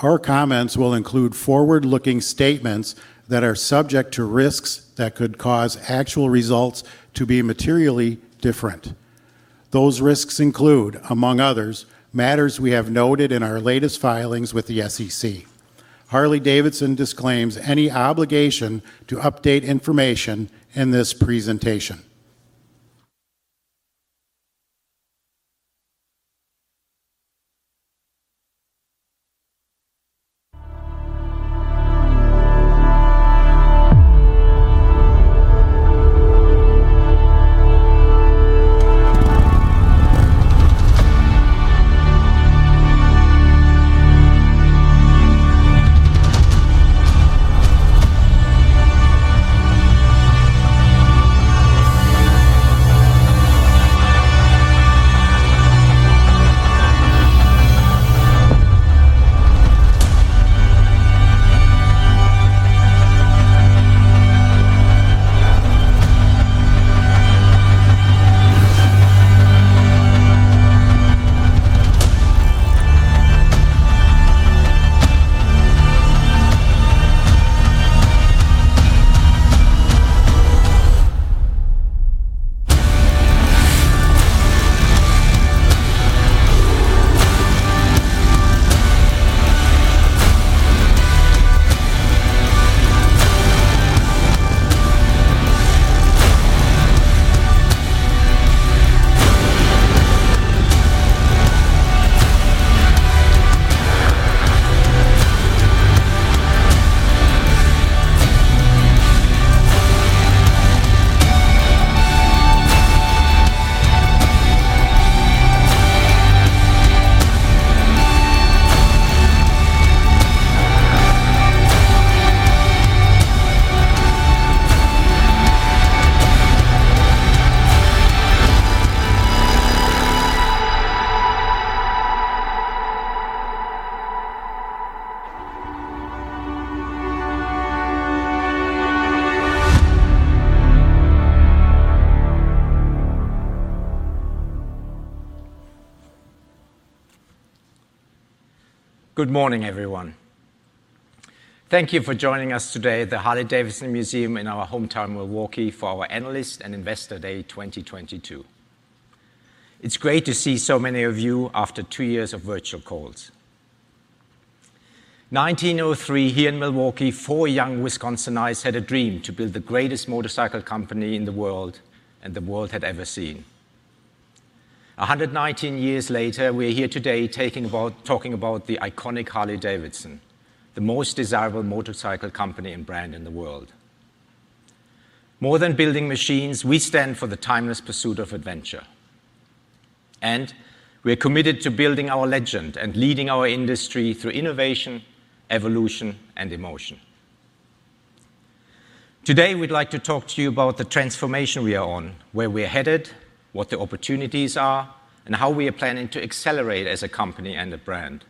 Our comments will include forward-looking statements that are subject to risks that could cause actual results to be materially different. Those risks include, among others, matters we have noted in our latest filings with the SEC. Harley-Davidson disclaims any obligation to update information in this presentation. Good morning, everyone. Thank you for joining us today at the Harley-Davidson Museum in our hometown, Milwaukee, for our Analyst and Investor Day 2022. It's great to see so many of you after two years of virtual calls. 1903, here in Milwaukee, four young Wisconsinites had a dream to build the greatest motorcycle company in the world and the world had ever seen. 119 years later, we are here today talking about the iconic Harley-Davidson, the most desirable motorcycle company and brand in the world. More than building machines, we stand for the timeless pursuit of adventure, and we are committed to building our legend and leading our industry through innovation, evolution, and emotion. Today, we'd like to talk to you about the transformation we are on, where we are headed, what the opportunities are, and how we are planning to accelerate as a company and a brand.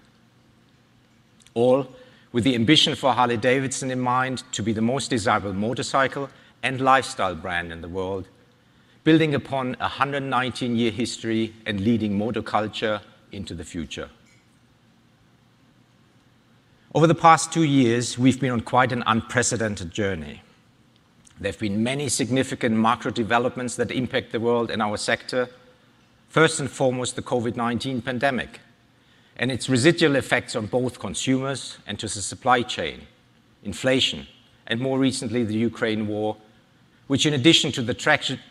All with the ambition for Harley-Davidson in mind to be the most desirable motorcycle and lifestyle brand in the world, building upon a 119-year history and leading motor culture into the future. Over the past two years, we've been on quite an unprecedented journey. There have been many significant macro developments that impact the world and our sector. First and foremost, the COVID-19 pandemic and its residual effects on both consumers and on the supply chain, inflation, and more recently, the Ukraine War, which in addition to the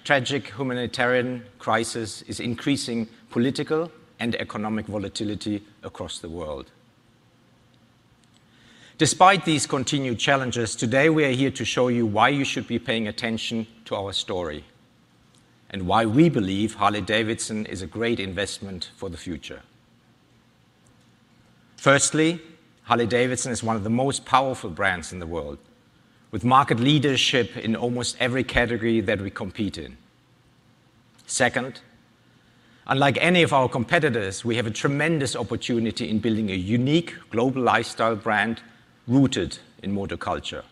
tragic humanitarian crisis, is increasing political and economic volatility across the world. Despite these continued challenges, today we are here to show you why you should be paying attention to our story and why we believe Harley-Davidson is a great investment for the future. Firstly, Harley-Davidson is one of the most powerful brands in the world, with market leadership in almost every category that we compete in. Second, unlike any of our competitors, we have a tremendous opportunity in building a unique global lifestyle brand rooted in motor culture.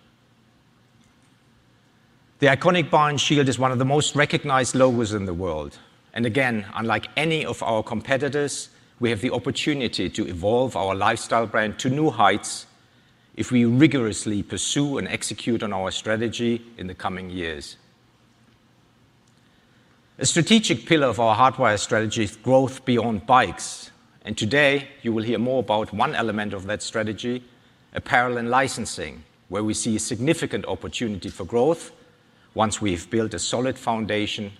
The iconic Bar and Shield is one of the most recognized logos in the world, and again, unlike any of our competitors, we have the opportunity to evolve our lifestyle brand to new heights if we rigorously pursue and execute on our strategy in the coming years. A strategic pillar of our Hardwire strategy is growth beyond bikes, and today, you will hear more about one element of that strategy, apparel and licensing, where we see a significant opportunity for growth once we've built a solid foundation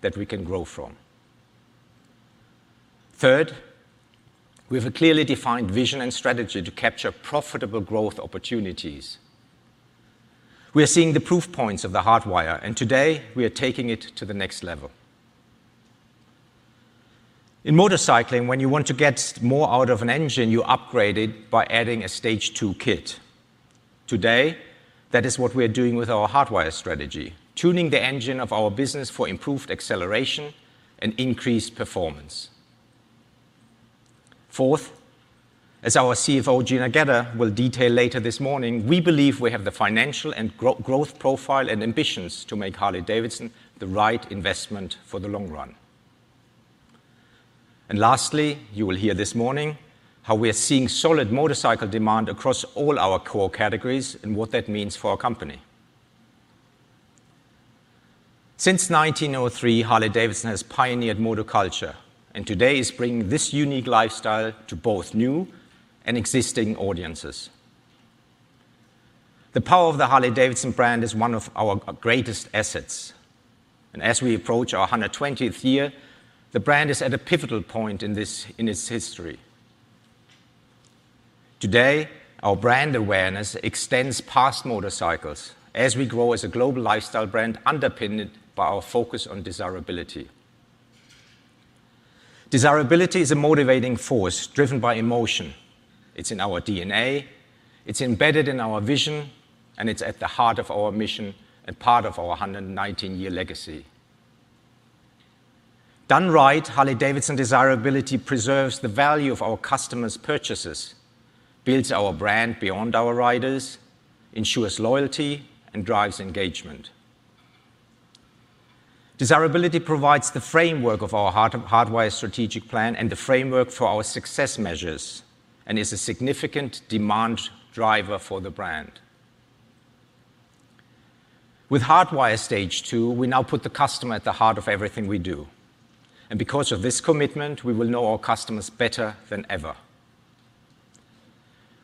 that we can grow from. Third, we have a clearly defined vision and strategy to capture profitable growth opportunities. We are seeing the proof points of the Hardwire, and today we are taking it to the next level. In motorcycling, when you want to get more out of an engine, you upgrade it by adding a stage two kit. Today, that is what we are doing with our Hardwire strategy, tuning the engine of our business for improved acceleration and increased performance. Fourth, as our CFO, Gina Goetter, will detail later this morning, we believe we have the financial and growth profile and ambitions to make Harley-Davidson the right investment for the long run. Lastly, you will hear this morning how we are seeing solid motorcycle demand across all our core categories and what that means for our company. Since 1903, Harley-Davidson has pioneered motor culture, and today is bringing this unique lifestyle to both new and existing audiences. The power of the Harley-Davidson brand is one of our greatest assets. As we approach our 120th year, the brand is at a pivotal point in this, in its history. Today, our brand awareness extends past motorcycles as we grow as a global lifestyle brand underpinned by our focus on desirability. Desirability is a motivating force driven by emotion. It's in our DNA, it's embedded in our vision, and it's at the heart of our mission and part of our 119-year legacy. Done right, Harley-Davidson desirability preserves the value of our customers' purchases, builds our brand beyond our riders, ensures loyalty, and drives engagement. Desirability provides the framework of our Hardwire strategic plan and the framework for our success measures, and is a significant demand driver for the brand. With Hardwire Stage Two, we now put the customer at the heart of everything we do, and because of this commitment, we will know our customers better than ever.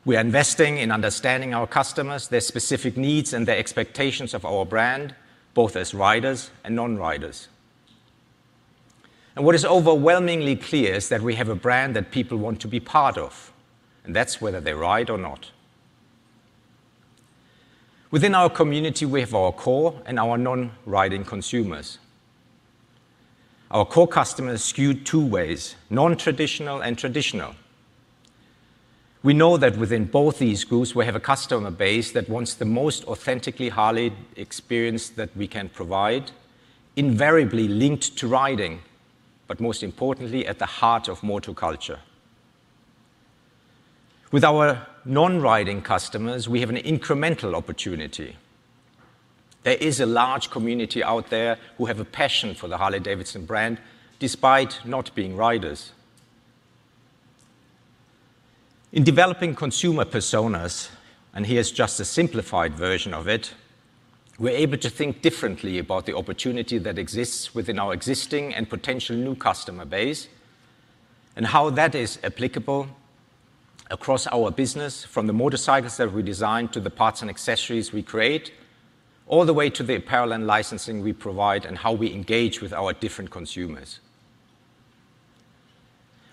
We are investing in understanding our customers, their specific needs, and their expectations of our brand, both as riders and non-riders. What is overwhelmingly clear is that we have a brand that people want to be part of, and that's whether they ride or not. Within our community, we have our core and our non-riding consumers. Our core customers skewed two ways, non-traditional and traditional. We know that within both these groups, we have a customer base that wants the most authentically Harley experience that we can provide, invariably linked to riding, but most importantly, at the heart of motor culture. With our non-riding customers, we have an incremental opportunity. There is a large community out there who have a passion for the Harley-Davidson brand despite not being riders. In developing consumer personas, and here's just a simplified version of it, we're able to think differently about the opportunity that exists within our existing and potential new customer base, and how that is applicable across our business, from the motorcycles that we design to the parts and accessories we create, all the way to the apparel and licensing we provide and how we engage with our different consumers.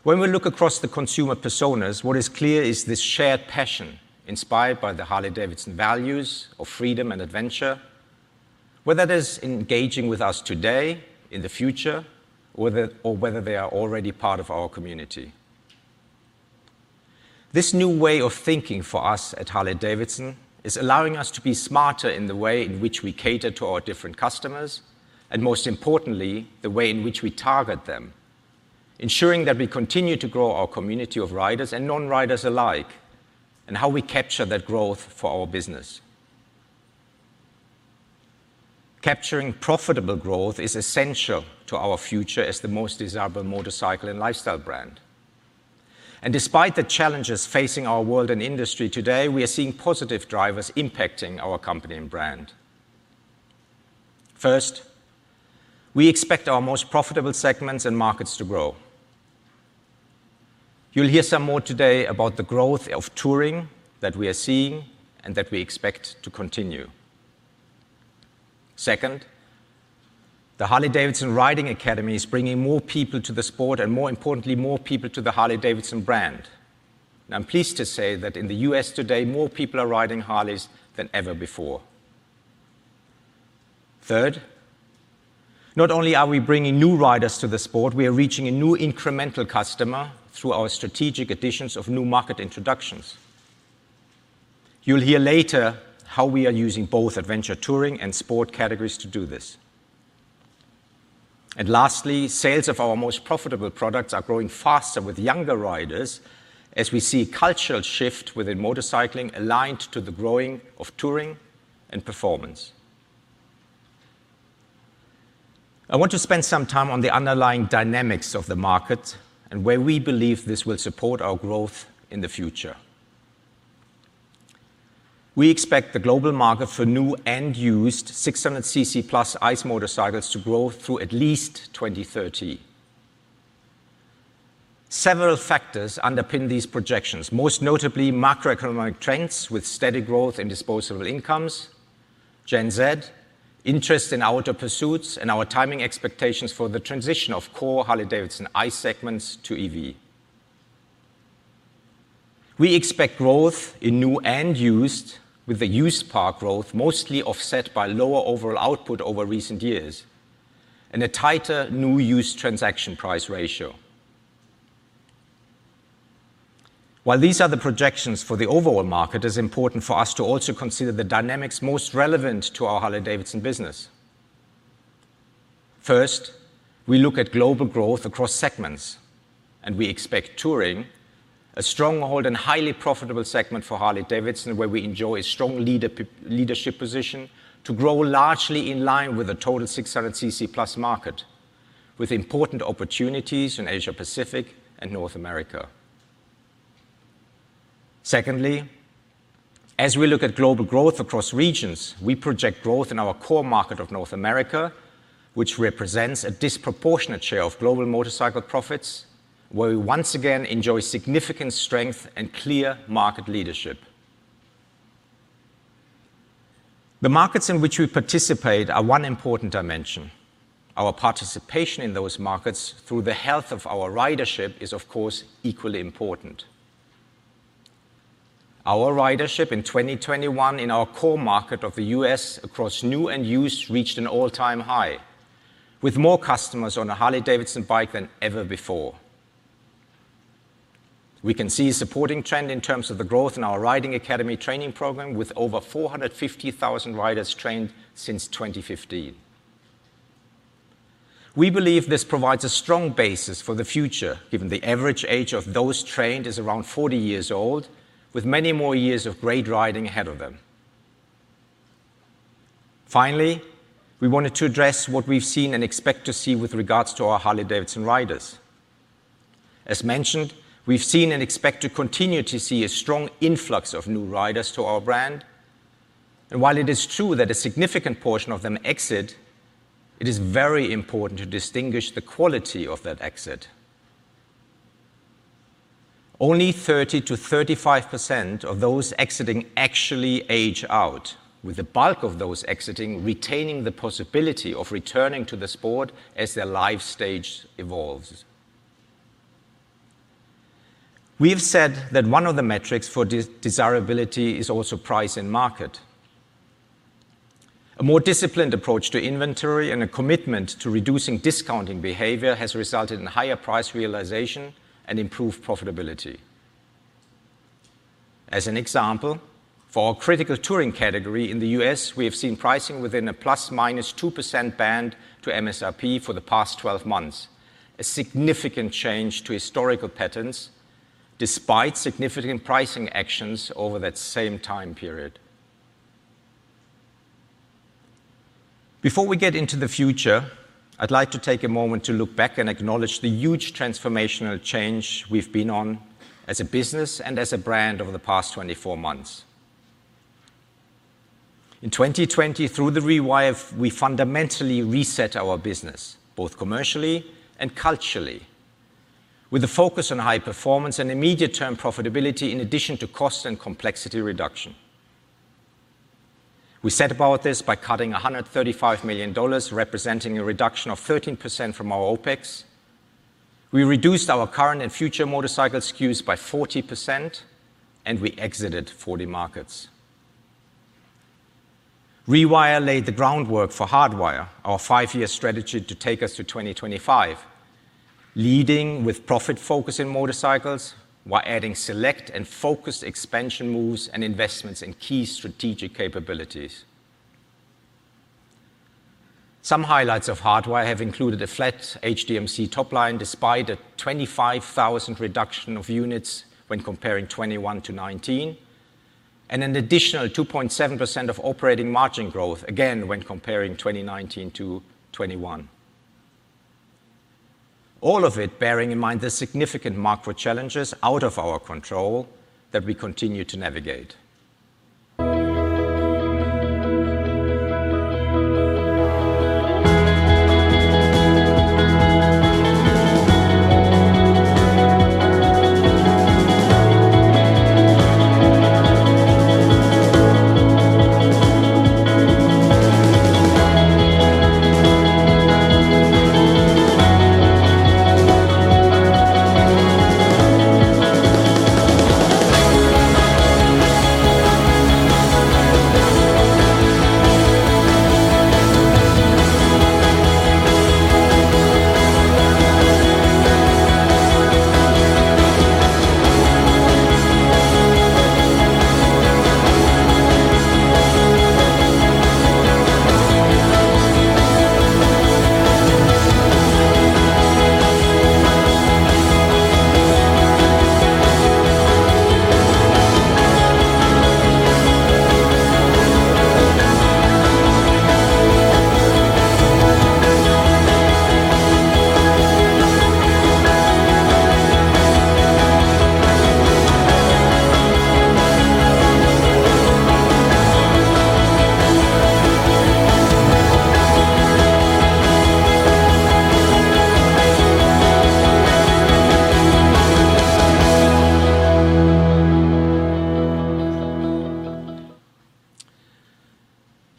When we look across the consumer personas, what is clear is this shared passion inspired by the Harley-Davidson values of freedom and adventure, whether that's engaging with us today, in the future, or whether they are already part of our community. This new way of thinking for us at Harley-Davidson is allowing us to be smarter in the way in which we cater to our different customers, and most importantly, the way in which we target them, ensuring that we continue to grow our community of riders and non-riders alike and how we capture that growth for our business. Capturing profitable growth is essential to our future as the most desirable motorcycle and lifestyle brand. Despite the challenges facing our world and industry today, we are seeing positive drivers impacting our company and brand. First, we expect our most profitable segments and markets to grow. You'll hear some more today about the growth of touring that we are seeing and that we expect to continue. Second, the Harley-Davidson Riding Academy is bringing more people to the sport and, more importantly, more people to the Harley-Davidson brand. I'm pleased to say that in the U.S. today, more people are riding Harleys than ever before. Third, not only are we bringing new riders to the sport, we are reaching a new incremental customer through our strategic additions of new market introductions. You'll hear later how we are using both adventure touring and sport categories to do this. Lastly, sales of our most profitable products are growing faster with younger riders as we see cultural shift within motorcycling aligned to the growing of touring and performance. I want to spend some time on the underlying dynamics of the market and where we believe this will support our growth in the future. We expect the global market for new and used 600 cc + ICE motorcycles to grow through at least 2030. Several factors underpin these projections, most notably macroeconomic trends with steady growth in disposable incomes, Gen Z interest in outdoor pursuits, and our timing expectations for the transition of core Harley-Davidson ICE segments to EV. We expect growth in new and used with the used part growth mostly offset by lower overall output over recent years and a tighter new used transaction price ratio. While these are the projections for the overall market, it's important for us to also consider the dynamics most relevant to our Harley-Davidson business. First, we look at global growth across segments. We expect touring, a stronghold and highly profitable segment for Harley-Davidson where we enjoy a strong leadership position, to grow largely in line with the total 600 cc + market with important opportunities in Asia Pacific and North America. Secondly, as we look at global growth across regions, we project growth in our core market of North America, which represents a disproportionate share of global motorcycle profits, where we once again enjoy significant strength and clear market leadership. The markets in which we participate are one important dimension. Our participation in those markets through the health of our ridership is, of course, equally important. Our ridership in 2021 in our core market of the U.S. across new and used reached an all-time high with more customers on a Harley-Davidson bike than ever before. We can see a supporting trend in terms of the growth in our Riding Academy training program with over 450,000 riders trained since 2015. We believe this provides a strong basis for the future, given the average age of those trained is around 40 years old with many more years of great riding ahead of them. Finally, we wanted to address what we've seen and expect to see with regards to our Harley-Davidson riders. As mentioned, we've seen and expect to continue to see a strong influx of new riders to our brand. While it is true that a significant portion of them exit, it is very important to distinguish the quality of that exit. Only 30%-35% of those exiting actually age out with the bulk of those exiting retaining the possibility of returning to the sport as their life stage evolves. We have said that one of the metrics for desirability is also price and market. A more disciplined approach to inventory and a commitment to reducing discounting behavior has resulted in higher price realization and improved profitability. As an example, for our critical touring category in the U.S., we have seen pricing within a ±2% band to MSRP for the past 12 months, a significant change to historical patterns despite significant pricing actions over that same time period. Before we get into the future, I'd like to take a moment to look back and acknowledge the huge transformational change we've been on as a business and as a brand over the past 24 months. In 2020 through The Rewire, we fundamentally reset our business both commercially and culturally with a focus on high performance and immediate term profitability in addition to cost and complexity reduction. We set about this by cutting $135 million, representing a reduction of 13% from our OpEx. We reduced our current and future motorcycle SKUs by 40%, and we exited 40 markets. Rewire laid the groundwork for Hardwire, our five-year strategy to take us to 2025, leading with profit focus in motorcycles while adding select and focused expansion moves and investments in key strategic capabilities. Some highlights of Hardwire have included a flat HDMC top line despite a 25,000 reduction of units when comparing 2021 to 2019, and an additional 2.7% of operating margin growth, again when comparing 2019 to 2021. All of it bearing in mind the significant macro challenges out of our control that we continue to navigate.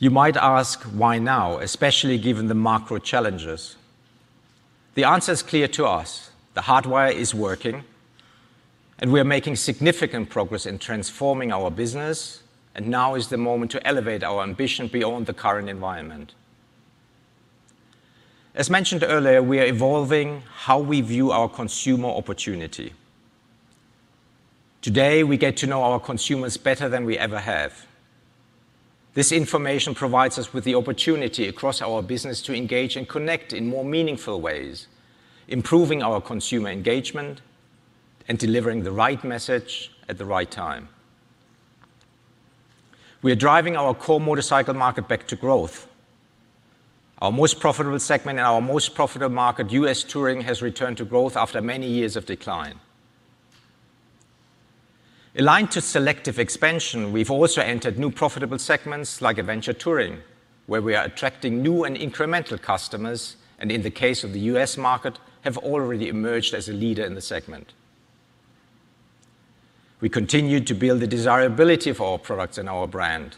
You might ask, why now, especially given the macro challenges? The answer is clear to us. The Hardwire is working, and we are making significant progress in transforming our business and now is the moment to elevate our ambition beyond the current environment. As mentioned earlier, we are evolving how we view our consumer opportunity. Today, we get to know our consumers better than we ever have. This information provides us with the opportunity across our business to engage and connect in more meaningful ways, improving our consumer engagement and delivering the right message at the right time. We are driving our core motorcycle market back to growth. Our most profitable segment in our most profitable market, U.S. Touring, has returned to growth after many years of decline. Aligned to selective expansion, we've also entered new profitable segments like Adventure Touring, where we are attracting new and incremental customers and, in the case of the U.S. market, have already emerged as a leader in the segment. We continue to build the desirability for our products and our brand.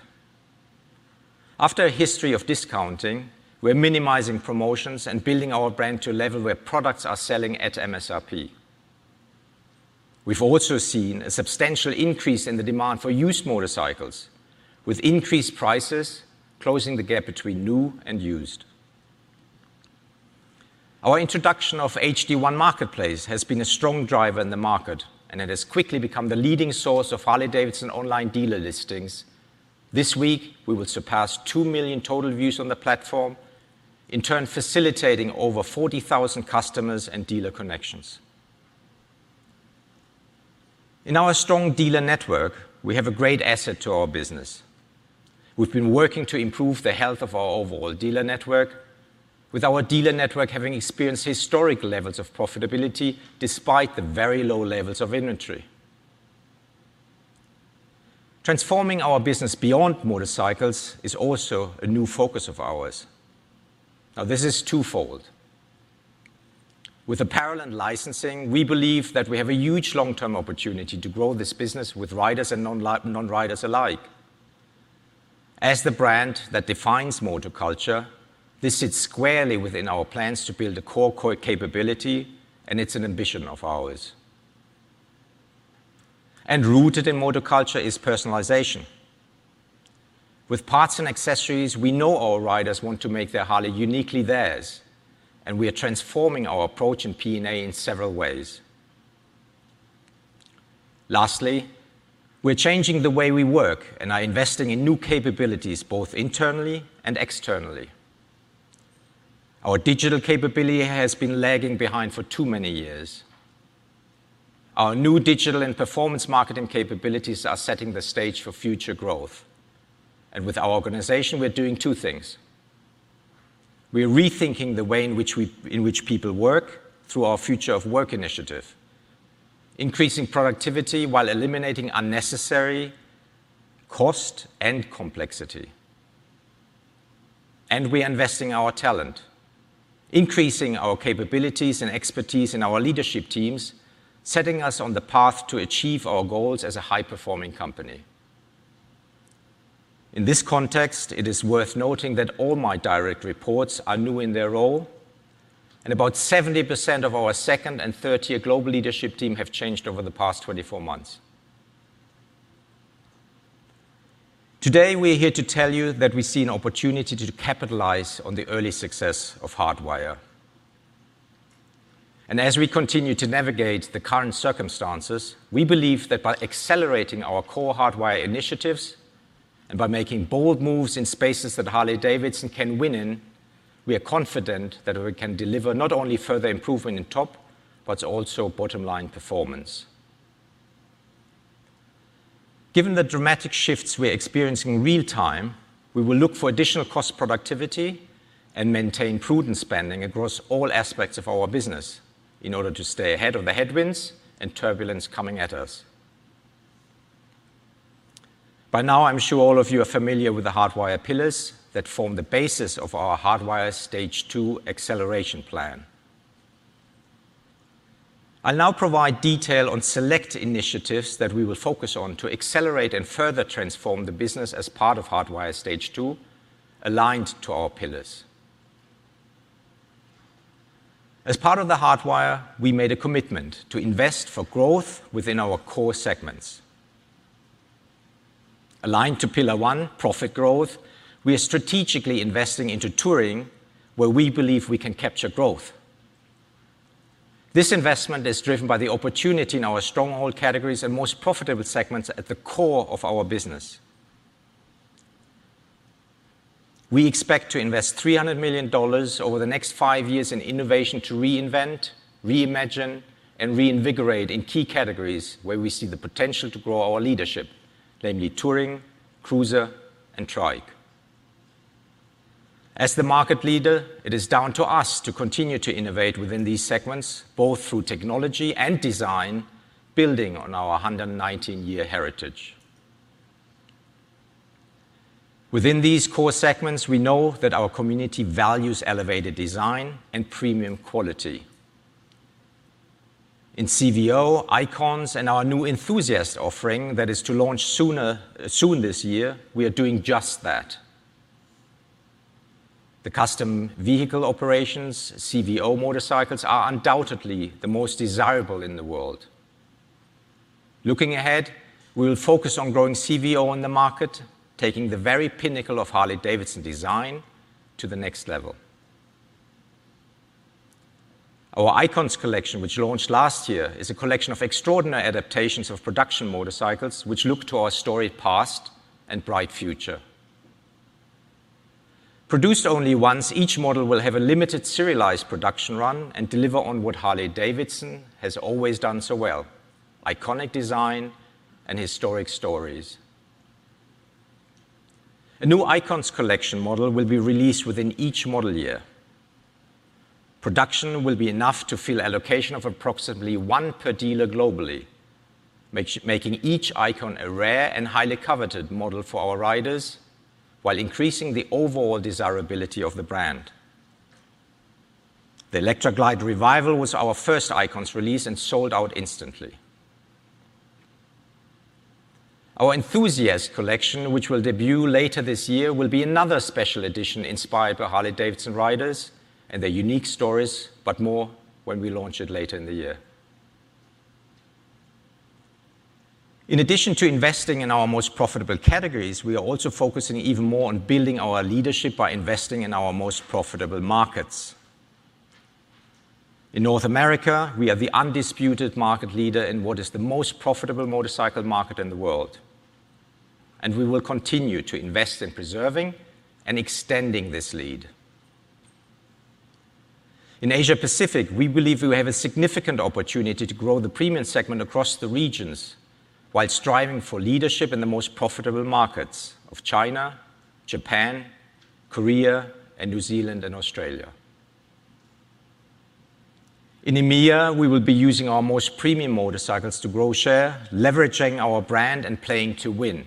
After a history of discounting, we're minimizing promotions and building our brand to a level where products are selling at MSRP. We've also seen a substantial increase in the demand for used motorcycles, with increased prices closing the gap between new and used. Our introduction of H-D1 Marketplace has been a strong driver in the market, and it has quickly become the leading source of Harley-Davidson online dealer listings. This week, we will surpass 2 million total views on the platform, in turn facilitating over 40,000 customers and dealer connections. In our strong dealer network, we have a great asset to our business. We've been working to improve the health of our overall dealer network, with our dealer network having experienced historic levels of profitability despite the very low levels of inventory. Transforming our business beyond motorcycles is also a new focus of ours. Now, this is twofold. With apparel and licensing, we believe that we have a huge long-term opportunity to grow this business with riders and non-riders alike. As the brand that defines motor culture, this sits squarely within our plans to build a core capability, and it's an ambition of ours. Rooted in motor culture is personalization. With parts and accessories, we know our riders want to make their Harley uniquely theirs, and we are transforming our approach in PNA in several ways. Lastly, we're changing the way we work and are investing in new capabilities both internally and externally. Our digital capability has been lagging behind for too many years. Our new digital and performance marketing capabilities are setting the stage for future growth. With our organization, we're doing two things. We are rethinking the way in which people work through our Future of Work initiative, increasing productivity while eliminating unnecessary cost and complexity. We are investing our talent, increasing our capabilities and expertise in our leadership teams, setting us on the path to achieve our goals as a high-performing company. In this context, it is worth noting that all my direct reports are new in their role, and about 70% of our second- and third-year global leadership team have changed over the past 24 months. Today, we are here to tell you that we see an opportunity to capitalize on the early success of Hardwire. As we continue to navigate the current circumstances, we believe that by accelerating our core Hardwire initiatives and by making bold moves in spaces that Harley-Davidson can win in, we are confident that we can deliver not only further improvement in top-line, but also bottom-line performance. Given the dramatic shifts we're experiencing in real-time, we will look for additional cost productivity and maintain prudent spending across all aspects of our business in order to stay ahead of the headwinds and turbulence coming at us. By now, I'm sure all of you are familiar with the Hardwire pillars that form the basis of our Hardwire Stage Two acceleration plan. I'll now provide detail on select initiatives that we will focus on to accelerate and further transform the business as part of Hardwire Stage Two, aligned to our pillars. As part of The Hardwire, we made a commitment to invest for growth within our core segments. Aligned to Pillar One, profit growth, we are strategically investing into touring where we believe we can capture growth. This investment is driven by the opportunity in our stronghold categories and most profitable segments at the core of our business. We expect to invest $300 million over the next five years in innovation to reinvent, reimagine, and reinvigorate in key categories where we see the potential to grow our leadership, namely touring, cruiser, and trike. As the market leader, it is down to us to continue to innovate within these segments, both through technology and design, building on our 119-year heritage. Within these core segments, we know that our community values elevated design and premium quality. In CVO, Icons, and our new Enthusiast offering that is to launch soon this year, we are doing just that. The Custom Vehicle Operations, CVO motorcycles, are undoubtedly the most desirable in the world. Looking ahead, we will focus on growing CVO on the market, taking the very pinnacle of Harley-Davidson design to the next level. Our Icons Collection, which launched last year, is a collection of extraordinary adaptations of production motorcycles which look to our storied past and bright future. Produced only once, each model will have a limited serialized production run and deliver on what Harley-Davidson has always done so well, iconic design and historic stories. A new Icons Collection model will be released within each model year. Production will be enough to fill allocation of approximately one per dealer globally, making each Icon a rare and highly coveted model for our riders while increasing the overall desirability of the brand. The Electra Glide Revival was our first Icons release and sold out instantly. Our Enthusiast Collection, which will debut later this year, will be another special edition inspired by Harley-Davidson riders and their unique stories, but more when we launch it later in the year. In addition to investing in our most profitable categories, we are also focusing even more on building our leadership by investing in our most profitable markets. In North America, we are the undisputed market leader in what is the most profitable motorcycle market in the world, and we will continue to invest in preserving and extending this lead. In Asia Pacific, we believe we have a significant opportunity to grow the premium segment across the regions while striving for leadership in the most profitable markets of China, Japan, Korea, and New Zealand, and Australia. In EMEA, we will be using our most premium motorcycles to grow share, leveraging our brand and playing to win.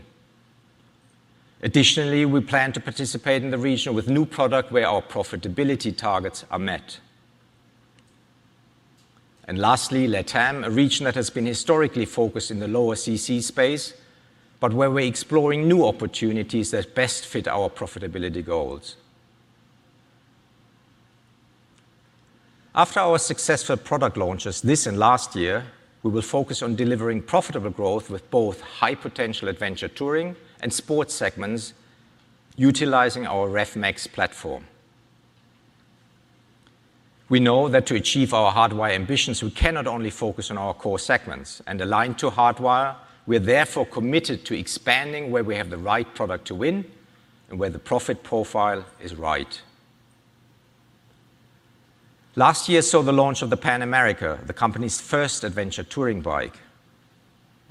Additionally, we plan to participate in the region with new product where our profitability targets are met. Lastly, LATAM, a region that has been historically focused in the lower CC space, but where we're exploring new opportunities that best fit our profitability goals. After our successful product launches this and last year, we will focus on delivering profitable growth with both high potential adventure touring and sport segments utilizing our Rev Max platform. We know that to achieve our Hardwire ambitions, we cannot only focus on our core segments, and aligned to Hardwire, we are therefore committed to expanding where we have the right product to win and where the profit profile is right. Last year saw the launch of the Pan America, the company's first adventure touring bike,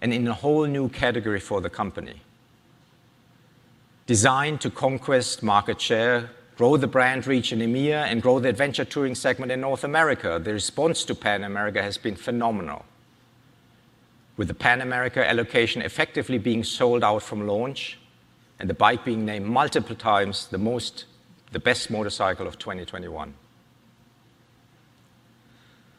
and in a whole new category for the company. Designed to conquest market share, grow the brand reach in EMEA, and grow the adventure touring segment in North America, the response to Pan America has been phenomenal, with the Pan America allocation effectively being sold out from launch and the bike being named multiple times the best motorcycle of 2021.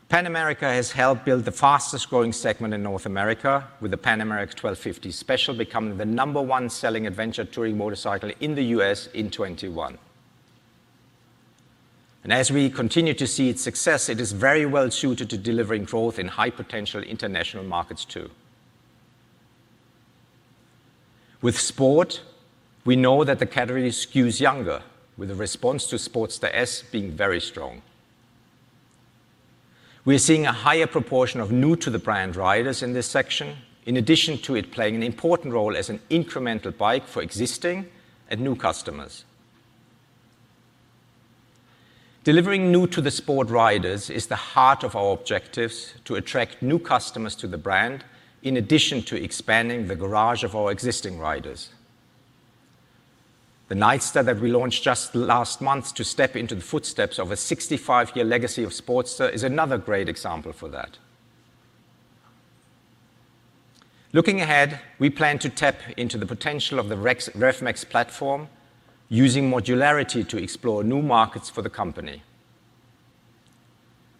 Pan America has helped build the fastest growing segment in North America, with the Pan America 1250 Special becoming the number one selling adventure touring motorcycle in the U.S. in 2021. As we continue to see its success, it is very well suited to delivering growth in high potential international markets too. With sport, we know that the category skews younger, with the response to Sportster S being very strong. We are seeing a higher proportion of new to the brand riders in this section, in addition to it playing an important role as an incremental bike for existing and new customers. Delivering new to the sport riders is the heart of our objectives to attract new customers to the brand, in addition to expanding the garage of our existing riders. The Nightster that we launched just last month to step into the footsteps of a 65-year legacy of Sportster is another great example for that. Looking ahead, we plan to tap into the potential of the Rev Max platform using modularity to explore new markets for the company.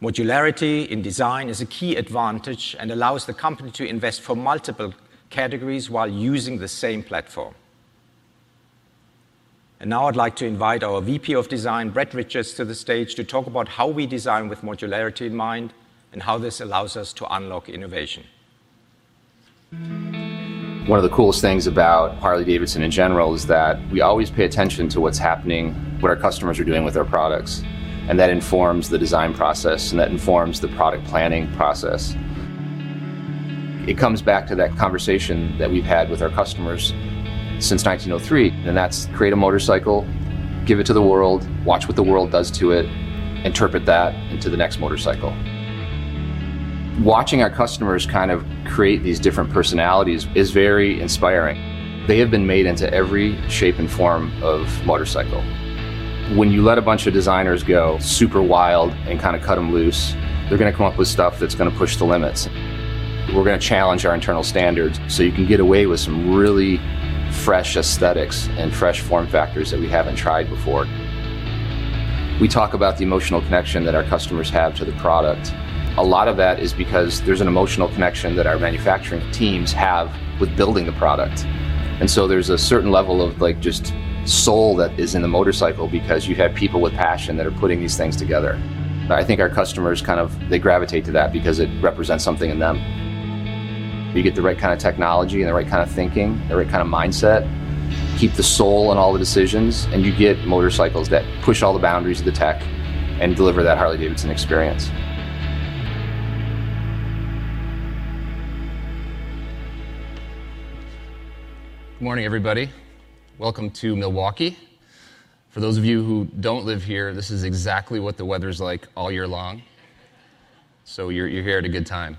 Modularity in design is a key advantage and allows the company to invest for multiple categories while using the same platform. Now I'd like to invite our VP of Design, Brad Richards, to the stage to talk about how we design with modularity in mind and how this allows us to unlock innovation. One of the coolest things about Harley-Davidson in general is that we always pay attention to what's happening, what our customers are doing with our products, and that informs the design process and that informs the product planning process. It comes back to that conversation that we've had with our customers since 1903, and that's create a motorcycle, give it to the world, watch what the world does to it, interpret that into the next motorcycle. Watching our customers kind of create these different personalities is very inspiring. They have been made into every shape and form of motorcycle. When you let a bunch of designers go super wild and kind of cut them loose, they're going to come up with stuff that's going to push the limits. We're going to challenge our internal standards, so you can get away with some really fresh aesthetics and fresh form factors that we haven't tried before. We talk about the emotional connection that our customers have to the product. A lot of that is because there's an emotional connection that our manufacturing teams have with building the product. There's a certain level of, like, just soul that is in the motorcycle because you have people with passion that are putting these things together. I think our customers kind of, they gravitate to that because it represents something in them. You get the right kind of technology and the right kind of thinking, the right kind of mindset, keep the soul in all the decisions, and you get motorcycles that push all the boundaries of the tech and deliver that Harley-Davidson experience. Good morning, everybody. Welcome to Milwaukee. For those of you who don't live here, this is exactly what the weather's like all year long, so you're here at a good time.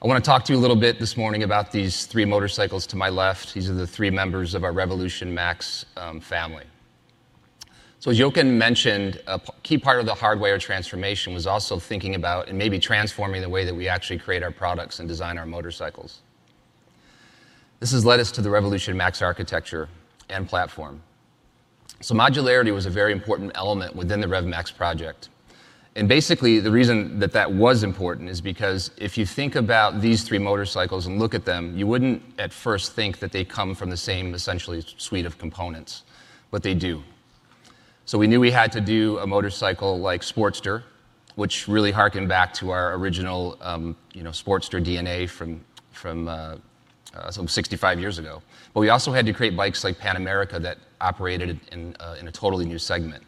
I wanna talk to you a little bit this morning about these three motorcycles to my left. These are the three members of our Revolution Max family. As Jochen mentioned, a key part of the Hardwire transformation was also thinking about and maybe transforming the way that we actually create our products and design our motorcycles. This has led us to the Revolution Max architecture and platform. Modularity was a very important element within the Revolution Max project. Basically, the reason that that was important is because if you think about these three motorcycles and look at them, you wouldn't at first think that they come from the same essentially suite of components, but they do. We knew we had to do a motorcycle like Sportster, which really hearkened back to our original, you know, Sportster DNA from some 65 years ago. We also had to create bikes like Pan America that operated in a totally new segment.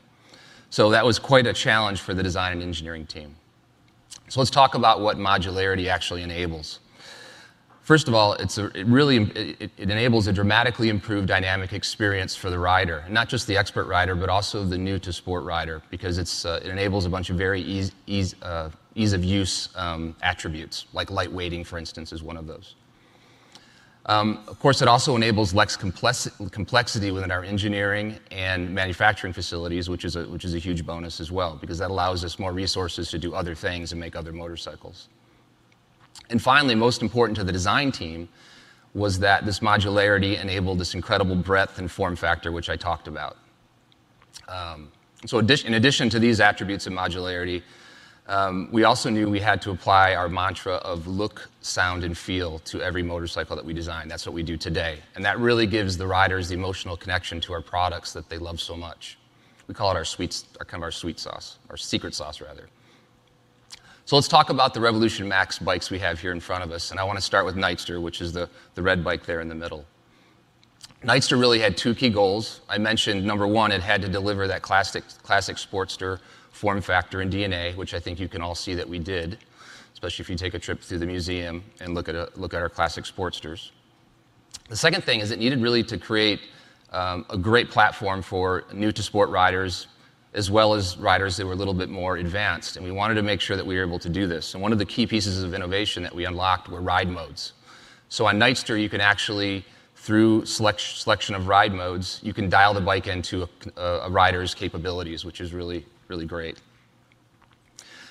That was quite a challenge for the design and engineering team. Let's talk about what modularity actually enables. First of all, it enables a dramatically improved dynamic experience for the rider, and not just the expert rider, but also the new-to-sport rider because it enables a bunch of very ease-of-use attributes, like light weighting, for instance, is one of those. Of course, it also enables less complexity within our engineering and manufacturing facilities, which is a huge bonus as well because that allows us more resources to do other things and make other motorcycles. Finally, most important to the design team was that this modularity enabled this incredible breadth and form factor, which I talked about. In addition to these attributes of modularity, we also knew we had to apply our mantra of look, sound, and feel to every motorcycle that we design. That's what we do today. That really gives the riders the emotional connection to our products that they love so much. We call it our sweet sauce or secret sauce rather. Let's talk about the Revolution Max bikes we have here in front of us, and I wanna start with Nightster, which is the red bike there in the middle. Nightster really had two key goals. I mentioned, number one, it had to deliver that classic Sportster form factor and DNA, which I think you can all see that we did, especially if you take a trip through the museum and look at our classic Sportsters. The second thing is it needed really to create a great platform for new-to-sport riders as well as riders that were a little bit more advanced, and we wanted to make sure that we were able to do this. One of the key pieces of innovation that we unlocked were ride modes. On Nightster, you can actually, through selection of ride modes, dial the bike into a rider's capabilities, which is really great.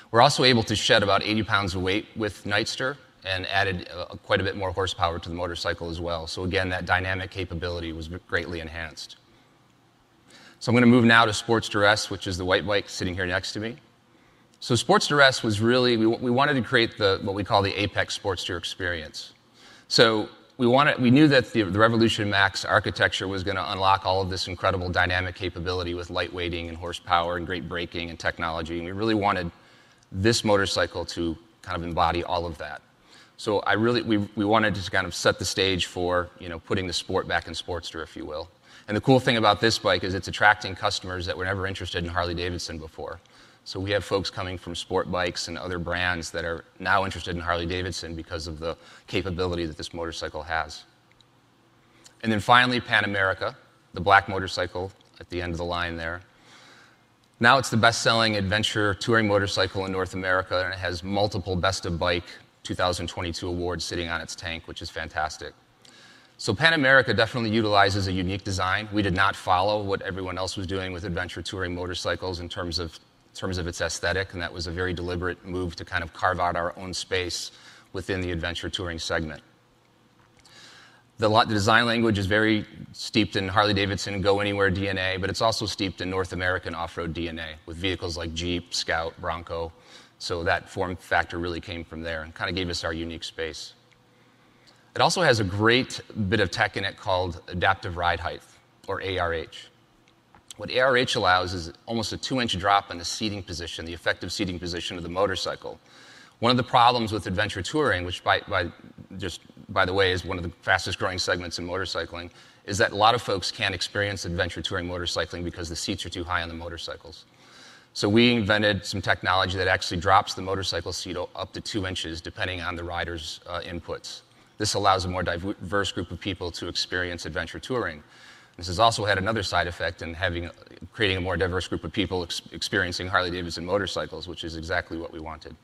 We're also able to shed about 80 pounds of weight with Nightster and added quite a bit more horsepower to the motorcycle as well. Again, that dynamic capability was greatly enhanced. I'm gonna move now to Sportster S, which is the white bike sitting here next to me. Sportster S was what we wanted to create, what we call the apex Sportster experience. We knew that the Revolution Max architecture was gonna unlock all of this incredible dynamic capability with light weighting and horsepower and great braking and technology, and we really wanted this motorcycle to kind of embody all of that. We wanted to kind of set the stage for, you know, putting the sport back in Sportster, if you will. The cool thing about this bike is it's attracting customers that were never interested in Harley-Davidson before. We have folks coming from sport bikes and other brands that are now interested in Harley-Davidson because of the capability that this motorcycle has. Finally, Pan America, the black motorcycle at the end of the line there. It's the best-selling adventure touring motorcycle in North America, and it has multiple Best of Bike 2022 awards sitting on its tank, which is fantastic. Pan America definitely utilizes a unique design. We did not follow what everyone else was doing with adventure touring motorcycles in terms of its aesthetic, and that was a very deliberate move to kind of carve out our own space within the adventure touring segment. The design language is very steeped in Harley-Davidson go-anywhere DNA, but it's also steeped in North American off-road DNA with vehicles like Jeep, Scout, Bronco. That form factor really came from there and kinda gave us our unique space. It also has a great bit of tech in it called Adaptive Ride Height, or ARH. What ARH allows is almost a 2-inch drop in the seating position, the effective seating position of the motorcycle. One of the problems with adventure touring, which just by the way, is one of the fastest-growing segments in motorcycling, is that a lot of folks can't experience adventure touring motorcycling because the seats are too high on the motorcycles. We invented some technology that actually drops the motorcycle seat up to 2 inches, depending on the rider's inputs. This allows a more diverse group of people to experience adventure touring. This has also had another side effect in creating a more diverse group of people experiencing Harley-Davidson motorcycles, which is exactly what we wanted.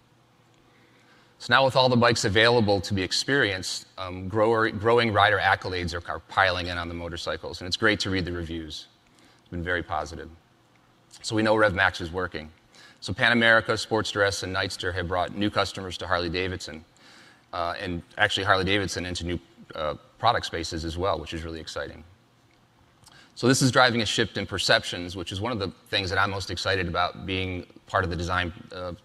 Now with all the bikes available to be experienced, growing rider accolades are piling in on the motorcycles, and it's great to read the reviews. It's been very positive. We know Rev Max is working. Pan America, Sportster S, and Nightster have brought new customers to Harley-Davidson, and actually Harley-Davidson into new product spaces as well, which is really exciting. This is driving a shift in perceptions, which is one of the things that I'm most excited about being part of the design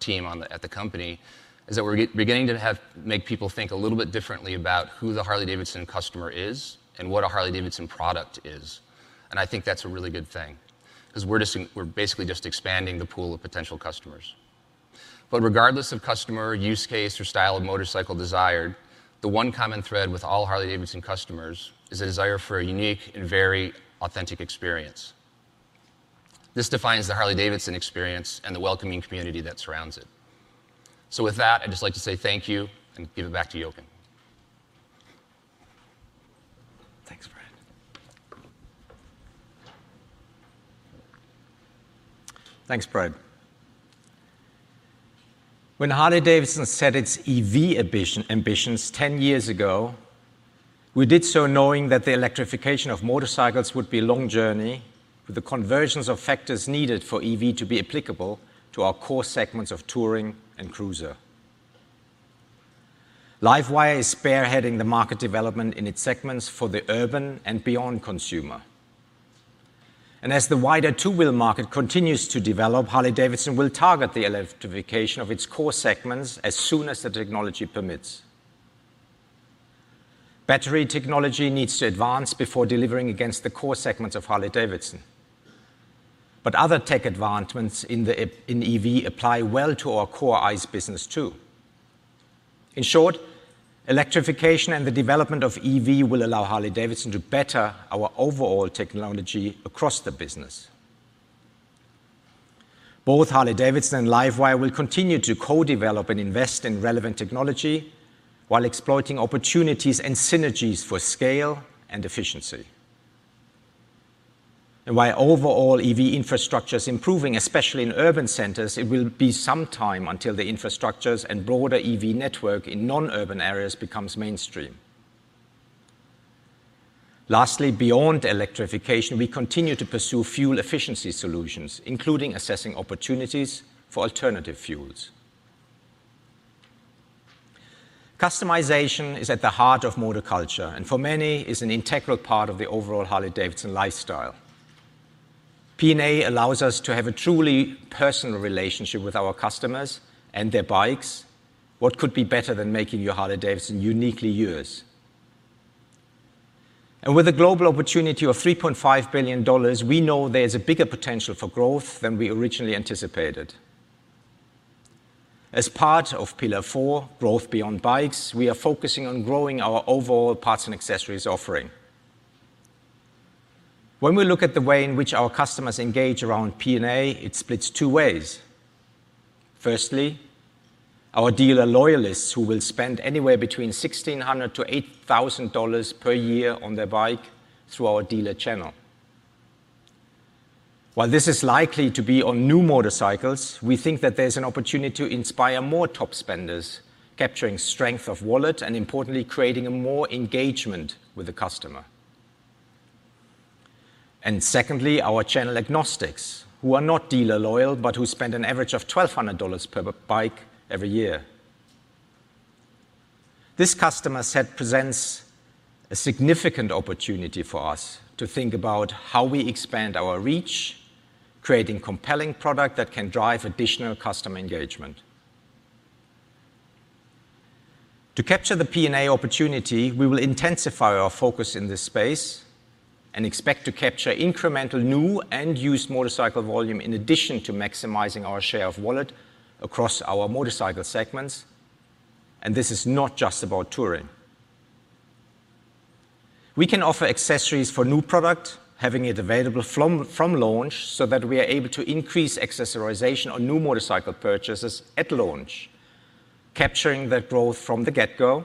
team at the company, is that we're beginning to make people think a little bit differently about who the Harley-Davidson customer is and what a Harley-Davidson product is, and I think that's a really good thing 'cause we're basically just expanding the pool of potential customers. Regardless of customer, use case, or style of motorcycle desired, the one common thread with all Harley-Davidson customers is a desire for a unique and very authentic experience. This defines the Harley-Davidson experience and the welcoming community that surrounds it. With that, I'd just like to say thank you and give it back to Jochen. Thanks, Brad. When Harley-Davidson set its EV ambitions 10 years ago, we did so knowing that the electrification of motorcycles would be a long journey with the convergence of factors needed for EV to be applicable to our core segments of touring and cruiser. LiveWire is spearheading the market development in its segments for the urban and beyond consumer. As the wider two-wheel market continues to develop, Harley-Davidson will target the electrification of its core segments as soon as the technology permits. Battery technology needs to advance before delivering against the core segments of Harley-Davidson. But other tech advancements in EV apply well to our core ICE business too. In short, electrification and the development of EV will allow Harley-Davidson to better our overall technology across the business. Both Harley-Davidson and LiveWire will continue to co-develop and invest in relevant technology while exploiting opportunities and synergies for scale and efficiency. While overall EV infrastructure is improving, especially in urban centers, it will be some time until the infrastructures and broader EV network in non-urban areas becomes mainstream. Lastly, beyond electrification, we continue to pursue fuel efficiency solutions, including assessing opportunities for alternative fuels. Customization is at the heart of motor culture and for many is an integral part of the overall Harley-Davidson lifestyle. P&A allows us to have a truly personal relationship with our customers and their bikes. What could be better than making your Harley-Davidson uniquely yours? With a global opportunity of $3.5 billion, we know there's a bigger potential for growth than we originally anticipated. As part of pillar four, growth beyond bikes, we are focusing on growing our overall parts and accessories offering. When we look at the way in which our customers engage around PNA, it splits two ways. Firstly, our dealer loyalists, who will spend anywhere between $1,600-$8,000 per year on their bike through our dealer channel. While this is likely to be on new motorcycles, we think that there's an opportunity to inspire more top spenders, capturing share of wallet, and importantly, creating more engagement with the customer. Secondly, our channel agnostics, who are not dealer loyal, but who spend an average of $1,200 per bike every year. This customer set presents a significant opportunity for us to think about how we expand our reach, creating compelling product that can drive additional customer engagement. To capture the PNA opportunity, we will intensify our focus in this space and expect to capture incremental new and used motorcycle volume in addition to maximizing our share of wallet across our motorcycle segments, and this is not just about touring. We can offer accessories for new product, having it available from launch, so that we are able to increase accessorization on new motorcycle purchases at launch, capturing that growth from the get-go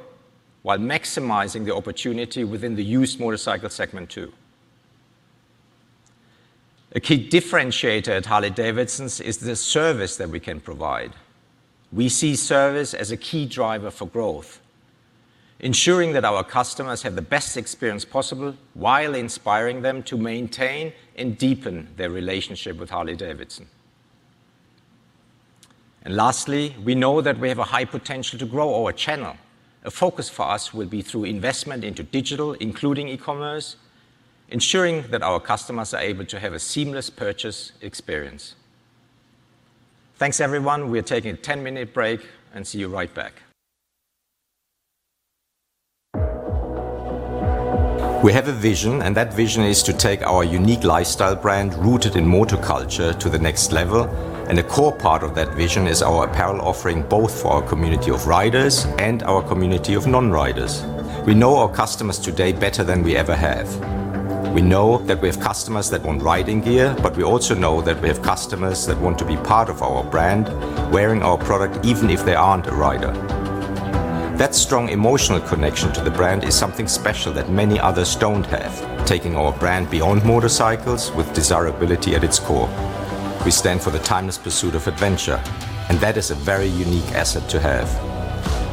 while maximizing the opportunity within the used motorcycle segment too. A key differentiator at Harley-Davidson is the service that we can provide. We see service as a key driver for growth, ensuring that our customers have the best experience possible while inspiring them to maintain and deepen their relationship with Harley-Davidson. Lastly, we know that we have a high potential to grow our channel. A focus for us will be through investment into digital, including e-commerce, ensuring that our customers are able to have a seamless purchase experience. Thanks, everyone. We are taking a 10-minute break, and see you right back. We have a vision, and that vision is to take our unique lifestyle brand rooted in motor culture to the next level, and a core part of that vision is our apparel offering, both for our community of riders and our community of non-riders. We know our customers today better than we ever have. We know that we have customers that want riding gear, but we also know that we have customers that want to be part of our brand, wearing our product even if they aren't a rider. That strong emotional connection to the brand is something special that many others don't have, taking our brand beyond motorcycles with desirability at its core. We stand for the timeless pursuit of adventure, and that is a very unique asset to have.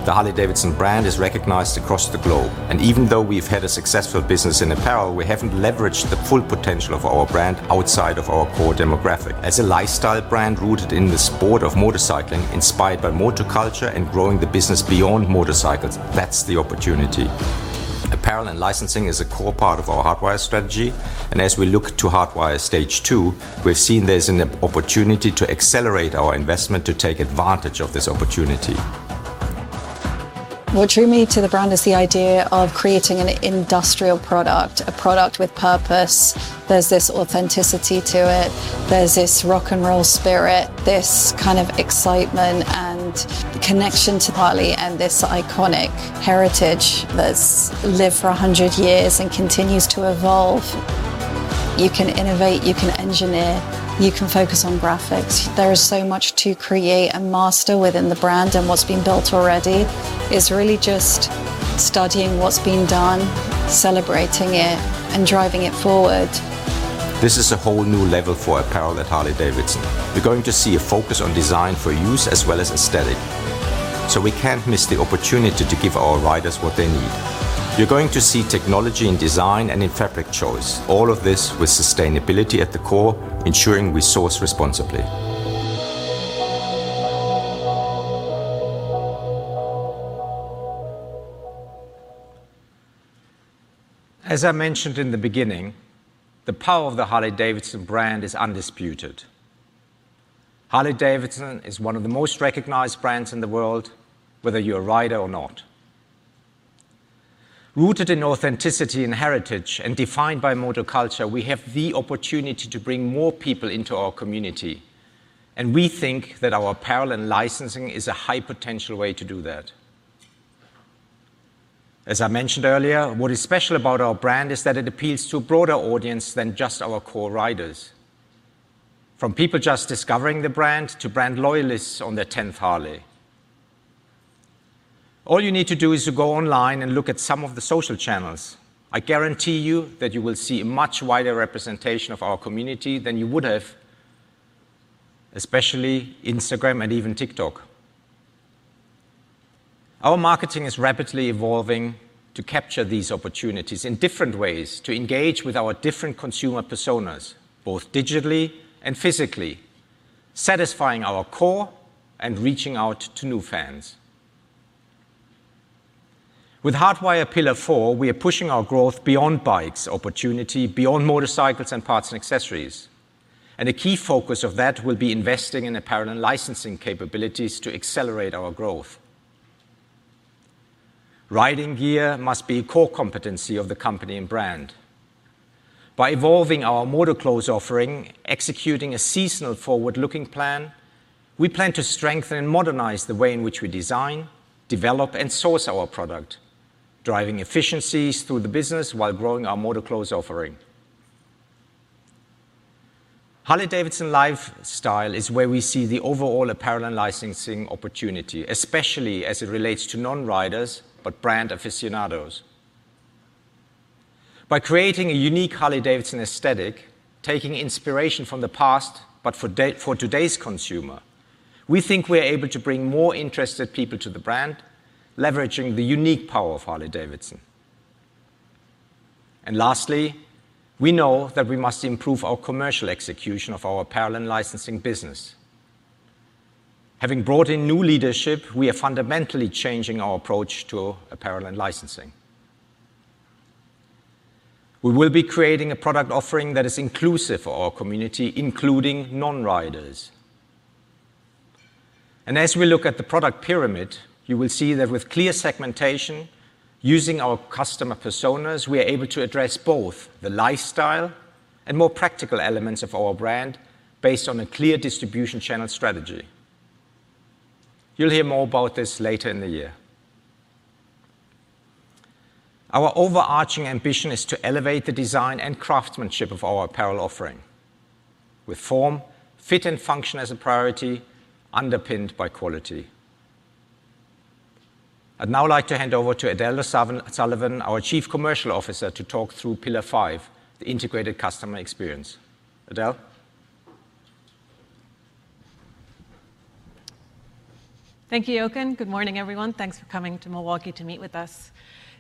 The Harley-Davidson brand is recognized across the globe, and even though we've had a successful business in apparel, we haven't leveraged the full potential of our brand outside of our core demographic. As a lifestyle brand rooted in the sport of motorcycling, inspired by motor culture and growing the business beyond motorcycles, that's the opportunity. Apparel and licensing is a core part of our Hardwire strategy, and as we look to Hardwire Stage II, we've seen there's an opportunity to accelerate our investment to take advantage of this opportunity. What drew me to the brand is the idea of creating an industrial product, a product with purpose. There's this authenticity to it. There's this rock and roll spirit, this kind of excitement and connection to Harley and this iconic heritage that's lived for 100 years and continues to evolve. You can innovate, you can engineer, you can focus on graphics. There is so much to create and master within the brand, and what's been built already is really just studying what's been done, celebrating it, and driving it forward. This is a whole new level for apparel at Harley-Davidson. You're going to see a focus on design for use as well as aesthetic, so we can't miss the opportunity to give our riders what they need. You're going to see technology in design and in fabric choice, all of this with sustainability at the core, ensuring we source responsibly. As I mentioned in the beginning, the power of the Harley-Davidson brand is undisputed. Harley-Davidson is one of the most recognized brands in the world, whether you're a rider or not. Rooted in authenticity and heritage and defined by motor culture, we have the opportunity to bring more people into our community, and we think that our apparel and licensing is a high potential way to do that. As I mentioned earlier, what is special about our brand is that it appeals to a broader audience than just our core riders. From people just discovering the brand to brand loyalists on their 10th Harley. All you need to do is to go online and look at some of the social channels. I guarantee you that you will see a much wider representation of our community than you would have, especially Instagram and even TikTok. Our marketing is rapidly evolving to capture these opportunities in different ways to engage with our different consumer personas, both digitally and physically, satisfying our core and reaching out to new fans. With Hardwire Pillar Four, we are pushing our growth beyond bikes opportunity, beyond motorcycles and parts and accessories. A key focus of that will be investing in apparel and licensing capabilities to accelerate our growth. Riding gear must be a core competency of the company and brand. By evolving our MotorClothes offering, executing a seasonal forward-looking plan, we plan to strengthen and modernize the way in which we design, develop, and source our product, driving efficiencies through the business while growing our MotorClothes offering. Harley-Davidson lifestyle is where we see the overall apparel and licensing opportunity, especially as it relates to non-riders, but brand aficionados. By creating a unique Harley-Davidson aesthetic, taking inspiration from the past, but for today's consumer, we think we are able to bring more interested people to the brand, leveraging the unique power of Harley-Davidson. Lastly, we know that we must improve our commercial execution of our apparel and licensing business. Having brought in new leadership, we are fundamentally changing our approach to apparel and licensing. We will be creating a product offering that is inclusive for our community, including non-riders. As we look at the product pyramid, you will see that with clear segmentation, using our customer personas, we are able to address both the lifestyle and more practical elements of our brand based on a clear distribution channel strategy. You'll hear more about this later in the year. Our overarching ambition is to elevate the design and craftsmanship of our apparel offering with form, fit, and function as a priority underpinned by quality. I'd now like to hand over to Edel O'Sullivan, our chief commercial officer, to talk through Pillar Five, the integrated customer experience. Edel. Thank you, Jochen. Good morning, everyone. Thanks for coming to Milwaukee to meet with us.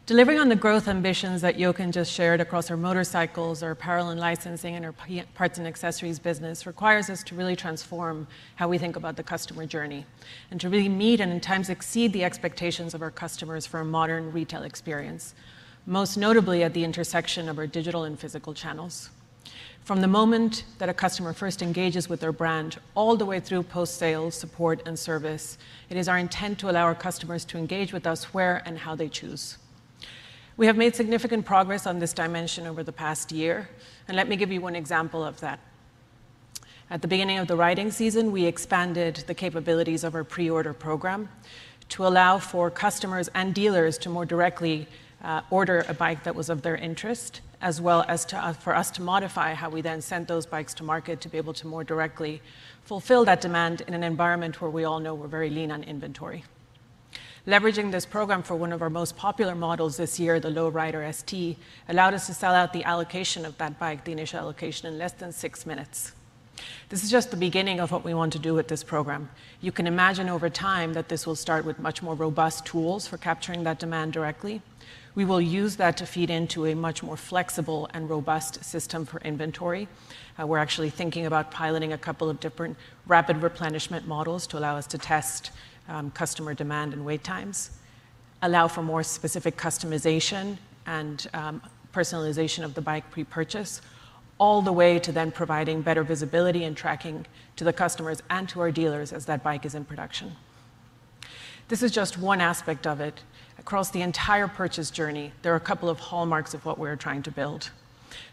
Delivering on the growth ambitions that Jochen just shared across our motorcycles, our apparel and licensing, and our parts and accessories business requires us to really transform how we think about the customer journey and to really meet and at times exceed the expectations of our customers for a modern retail experience, most notably at the intersection of our digital and physical channels. From the moment that a customer first engages with our brand all the way through post-sale support and service, it is our intent to allow our customers to engage with us where and how they choose. We have made significant progress on this dimension over the past year, and let me give you one example of that. At the beginning of the riding season, we expanded the capabilities of our pre-order program to allow for customers and dealers to more directly order a bike that was of their interest, as well as for us to modify how we then sent those bikes to market to be able to more directly fulfill that demand in an environment where we all know we're very lean on inventory. Leveraging this program for one of our most popular models this year, the Low Rider ST, allowed us to sell out the allocation of that bike, the initial allocation, in less than six minutes. This is just the beginning of what we want to do with this program. You can imagine over time that this will start with much more robust tools for capturing that demand directly. We will use that to feed into a much more flexible and robust system for inventory. We're actually thinking about piloting a couple of different rapid replenishment models to allow us to test customer demand and wait times, allow for more specific customization and personalization of the bike pre-purchase, all the way to then providing better visibility and tracking to the customers and to our dealers as that bike is in production. This is just one aspect of it. Across the entire purchase journey, there are a couple of hallmarks of what we're trying to build.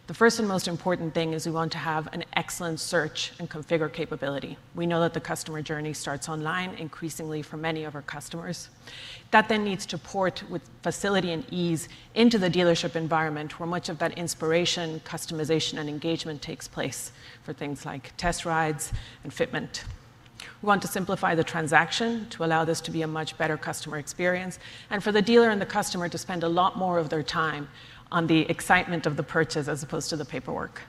The first and most important thing is we want to have an excellent search and configure capability. We know that the customer journey starts online increasingly for many of our customers. That then needs to port with facility and ease into the dealership environment where much of that inspiration, customization, and engagement takes place for things like test rides and fitment. We want to simplify the transaction to allow this to be a much better customer experience and for the dealer and the customer to spend a lot more of their time on the excitement of the purchase as opposed to the paperwork.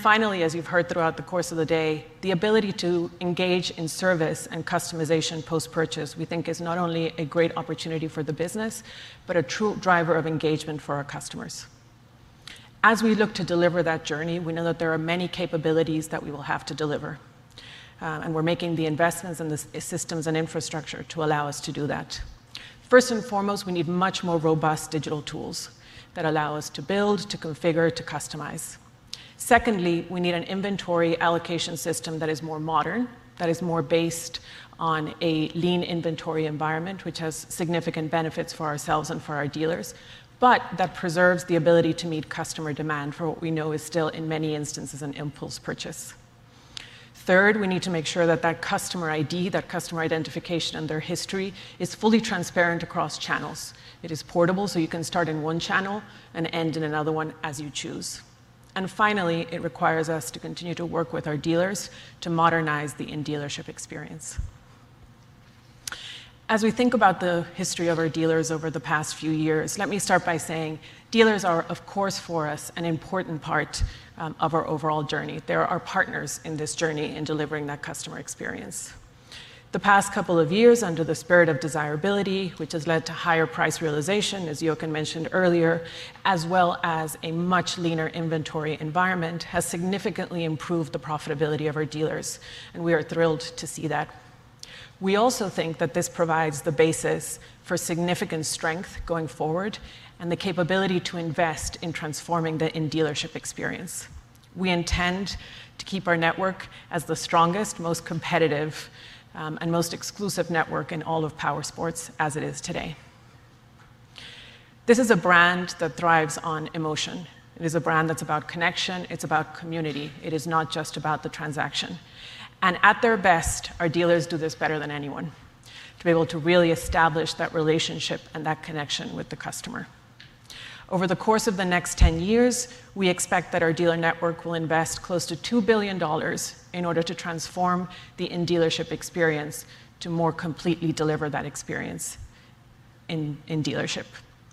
Finally, as you've heard throughout the course of the day, the ability to engage in service and customization post-purchase, we think is not only a great opportunity for the business, but a true driver of engagement for our customers. As we look to deliver that journey, we know that there are many capabilities that we will have to deliver, and we're making the investments in the systems and infrastructure to allow us to do that. First and foremost, we need much more robust digital tools that allow us to build, to configure, to customize. Secondly, we need an inventory allocation system that is more modern, that is more based on a lean inventory environment, which has significant benefits for ourselves and for our dealers, but that preserves the ability to meet customer demand for what we know is still in many instances an impulse purchase. Third, we need to make sure that that customer ID, that customer identification and their history is fully transparent across channels. It is portable, so you can start in one channel and end in another one as you choose. Finally, it requires us to continue to work with our dealers to modernize the in-dealership experience. As we think about the history of our dealers over the past few years, let me start by saying dealers are of course for us an important part of our overall journey. They're our partners in this journey in delivering that customer experience. The past couple of years under the spirit of desirability, which has led to higher price realization, as Jochen mentioned earlier, as well as a much leaner inventory environment, has significantly improved the profitability of our dealers, and we are thrilled to see that. We also think that this provides the basis for significant strength going forward and the capability to invest in transforming the in-dealership experience. We intend to keep our network as the strongest, most competitive, and most exclusive network in all of powersports as it is today. This is a brand that thrives on emotion. It is a brand that's about connection, it's about community. It is not just about the transaction. At their best, our dealers do this better than anyone to be able to really establish that relationship and that connection with the customer. Over the course of the next 10 years, we expect that our dealer network will invest close to $2 billion in order to transform the in-dealership experience to more completely deliver that experience in dealership.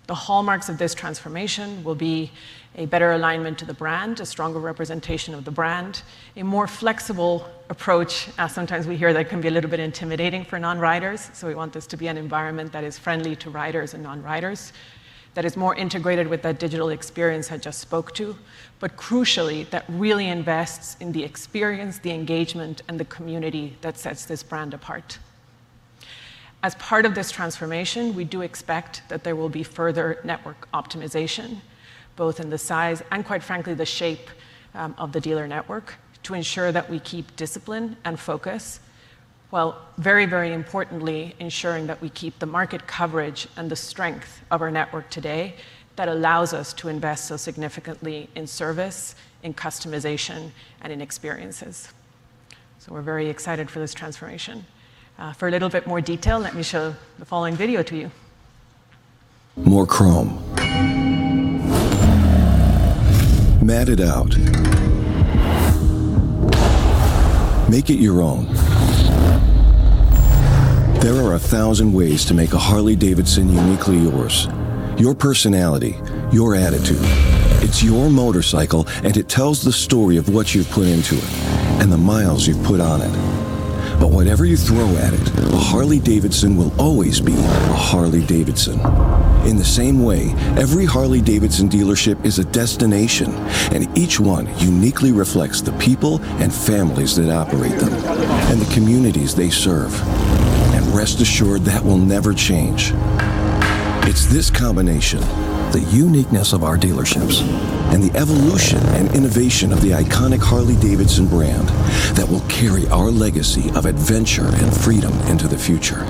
The hallmarks of this transformation will be a better alignment to the brand, a stronger representation of the brand, a more flexible approach as sometimes we hear that can be a little bit intimidating for non-riders, so we want this to be an environment that is friendly to riders and non-riders, that is more integrated with that digital experience I just spoke to, but crucially, that really invests in the experience, the engagement, and the community that sets this brand apart. As part of this transformation, we do expect that there will be further network optimization, both in the size and quite frankly the shape, of the dealer network to ensure that we keep discipline and focus, while very, very importantly ensuring that we keep the market coverage and the strength of our network today that allows us to invest so significantly in service, in customization, and in experiences. We're very excited for this transformation. For a little bit more detail, let me show the following video to you. More chrome. Matted out. Make it your own. There are 1,000 ways to make a Harley-Davidson uniquely yours. Your personality, your attitude, it's your motorcycle, and it tells the story of what you've put into it and the miles you've put on it. Whatever you throw at it, a Harley-Davidson will always be a Harley-Davidson. In the same way, every Harley-Davidson dealership is a destination, and each one uniquely reflects the people and families that operate them and the communities they serve. Rest assured that will never change. It's this combination, the uniqueness of our dealerships and the evolution and innovation of the iconic Harley-Davidson brand that will carry our legacy of adventure and freedom into the future.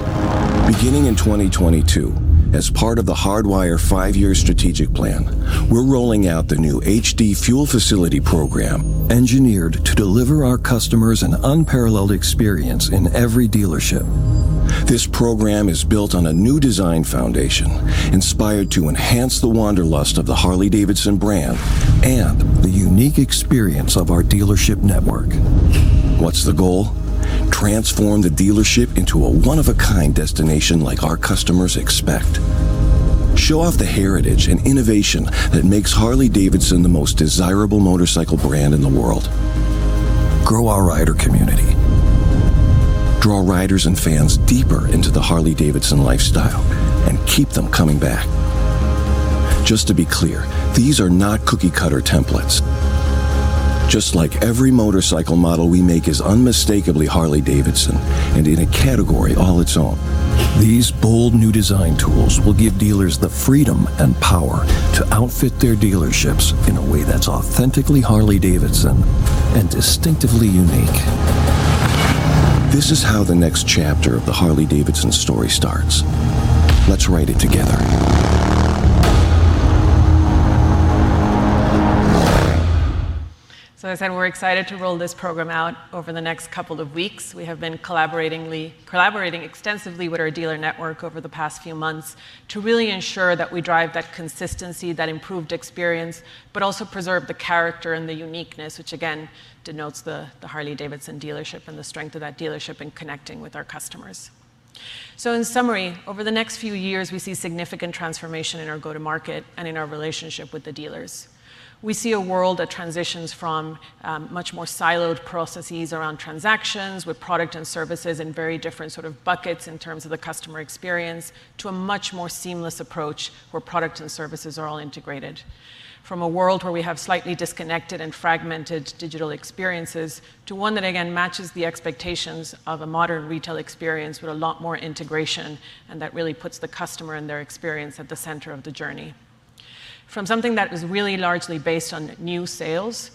Beginning in 2022, as part of the Hardwire Five-Year Strategic Plan, we're rolling out the new HD Fuel Facility Program engineered to deliver our customers an unparalleled experience in every dealership. This program is built on a new design foundation inspired to enhance the wanderlust of the Harley-Davidson brand and the unique experience of our dealership network. What's the goal? Transform the dealership into a one-of-a-kind destination like our customers expect. Show off the heritage and innovation that makes Harley-Davidson the most desirable motorcycle brand in the world. Grow our rider community. Draw riders and fans deeper into the Harley-Davidson lifestyle and keep them coming back. Just to be clear, these are not cookie-cutter templates. Just like every motorcycle model we make is unmistakably Harley-Davidson and in a category all its own, these bold new design tools will give dealers the freedom and power to outfit their dealerships in a way that's authentically Harley-Davidson and distinctively unique. This is how the next chapter of the Harley-Davidson story starts. Let's write it together. As I said, we're excited to roll this program out over the next couple of weeks. We have been collaborating extensively with our dealer network over the past few months to really ensure that we drive that consistency, that improved experience, but also preserve the character and the uniqueness, which again denotes the Harley-Davidson dealership and the strength of that dealership in connecting with our customers. In summary, over the next few years, we see significant transformation in our go-to-market and in our relationship with the dealers. We see a world that transitions from much more siloed processes around transactions with product and services in very different sort of buckets in terms of the customer experience to a much more seamless approach where product and services are all integrated. From a world where we have slightly disconnected and fragmented digital experiences to one that again matches the expectations of a modern retail experience with a lot more integration, and that really puts the customer and their experience at the center of the journey. From something that is really largely based on new sales,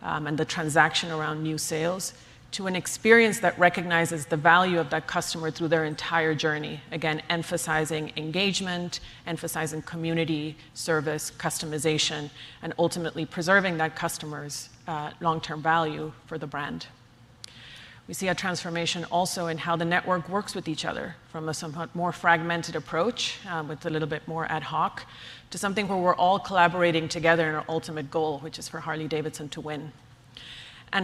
and the transaction around new sales, to an experience that recognizes the value of that customer through their entire journey, again, emphasizing engagement, emphasizing community, service, customization, and ultimately preserving that customer's long-term value for the brand. We see a transformation also in how the network works with each other from a somewhat more fragmented approach, with a little bit more ad hoc to something where we're all collaborating together in our ultimate goal, which is for Harley-Davidson to win.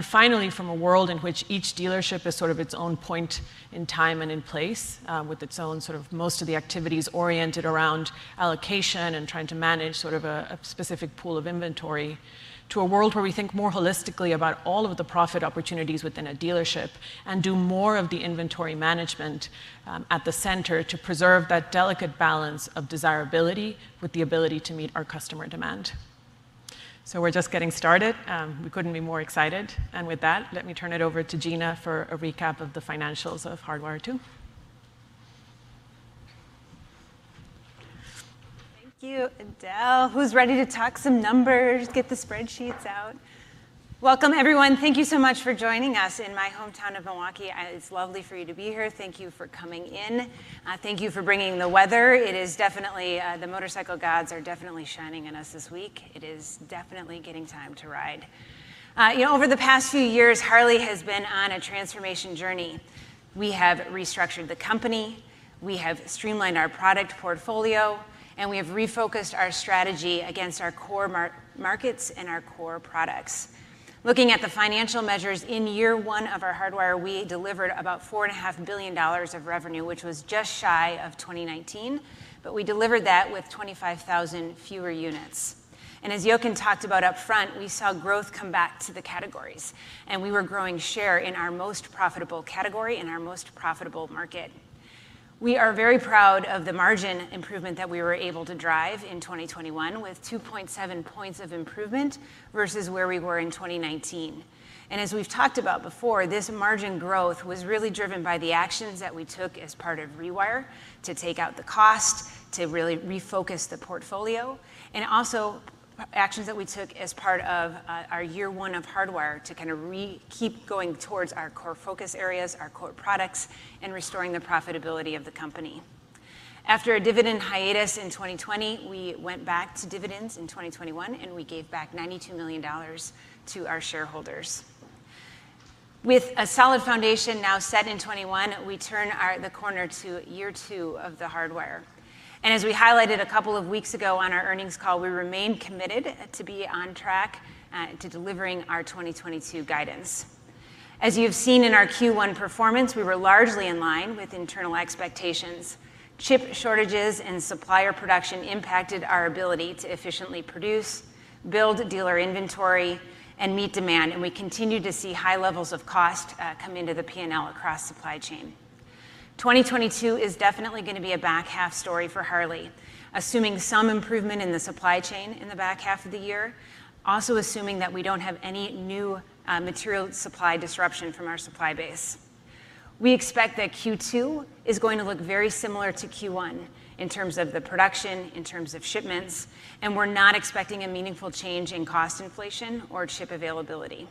Finally, from a world in which each dealership is sort of its own point in time and in place, with its own sort of most of the activities oriented around allocation and trying to manage sort of a specific pool of inventory to a world where we think more holistically about all of the profit opportunities within a dealership and do more of the inventory management at the center to preserve that delicate balance of desirability with the ability to meet our customer demand. We're just getting started. We couldn't be more excited. With that, let me turn it over to Gina for a recap of the financials of Hardwire II. Thank you, Edel. Who's ready to talk some numbers? Get the spreadsheets out. Welcome, everyone. Thank you so much for joining us in my hometown of Milwaukee. It's lovely for you to be here. Thank you for coming in. Thank you for bringing the weather. It is definitely the motorcycle gods are definitely shining on us this week. It is definitely getting time to ride. You know, over the past few years, Harley has been on a transformation journey. We have restructured the company, we have streamlined our product portfolio, and we have refocused our strategy against our core markets and our core products. Looking at the financial measures in year one of The Hardwire, we delivered about $4.5 Billion of revenue, which was just shy of 2019, but we delivered that with 25,000 fewer units. As Jochen talked about upfront, we saw growth come back to the categories, and we were growing share in our most profitable category and our most profitable market. We are very proud of the margin improvement that we were able to drive in 2021 with 2.7 points of improvement versus where we were in 2019. As we've talked about before, this margin growth was really driven by the actions that we took as part of Rewire to take out the cost to really refocus the portfolio, and also actions that we took as part of our year one of Hardwire to kind of keep going towards our core focus areas, our core products, and restoring the profitability of the company. After a dividend hiatus in 2020, we went back to dividends in 2021, and we gave back $92 million to our shareholders. With a solid foundation now set in 2021, we turn the corner to year two of The Hardwire. As we highlighted a couple of weeks ago on our earnings call, we remain committed to be on track to delivering our 2022 guidance. As you have seen in our Q1 performance, we were largely in line with internal expectations. Chip shortages and supplier production impacted our ability to efficiently produce, build dealer inventory and meet demand, and we continue to see high levels of cost come into the P&L across supply chain. 2022 is definitely gonna be a back half story for Harley, assuming some improvement in the supply chain in the back half of the year. Also assuming that we don't have any new material supply disruption from our supply base. We expect that Q2 is going to look very similar to Q1 in terms of the production, in terms of shipments, and we're not expecting a meaningful change in cost inflation or chip availability.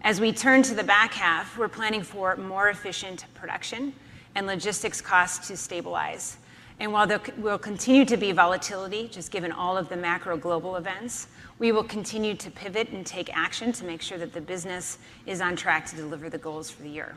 As we turn to the back half, we're planning for more efficient production and logistics costs to stabilize. While there will continue to be volatility, just given all of the macro global events, we will continue to pivot and take action to make sure that the business is on track to deliver the goals for the year.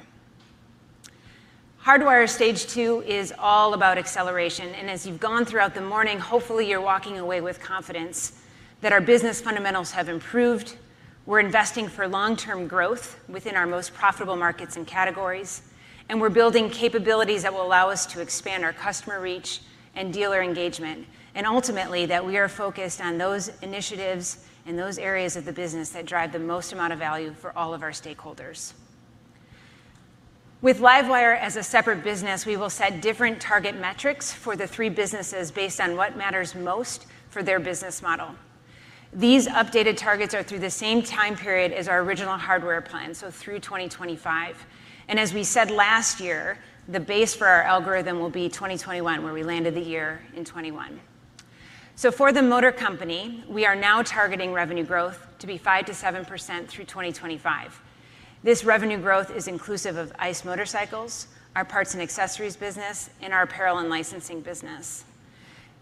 Hardwire Stage II is all about acceleration, and as you've gone throughout the morning, hopefully you're walking away with confidence that our business fundamentals have improved. We're investing for long-term growth within our most profitable markets and categories, and we're building capabilities that will allow us to expand our customer reach and dealer engagement, and ultimately, that we are focused on those initiatives and those areas of the business that drive the most amount of value for all of our stakeholders. With LiveWire as a separate business, we will set different target metrics for the three businesses based on what matters most for their business model. These updated targets are through the same time period as our original Hardwire plan, so through 2025. As we said last year, the base for our algorithm will be 2021, where we ended the year in 21. For the motor company, we are now targeting revenue growth to be 5%-7% through 2025. This revenue growth is inclusive of ICE motorcycles, our parts and accessories business, and our apparel and licensing business.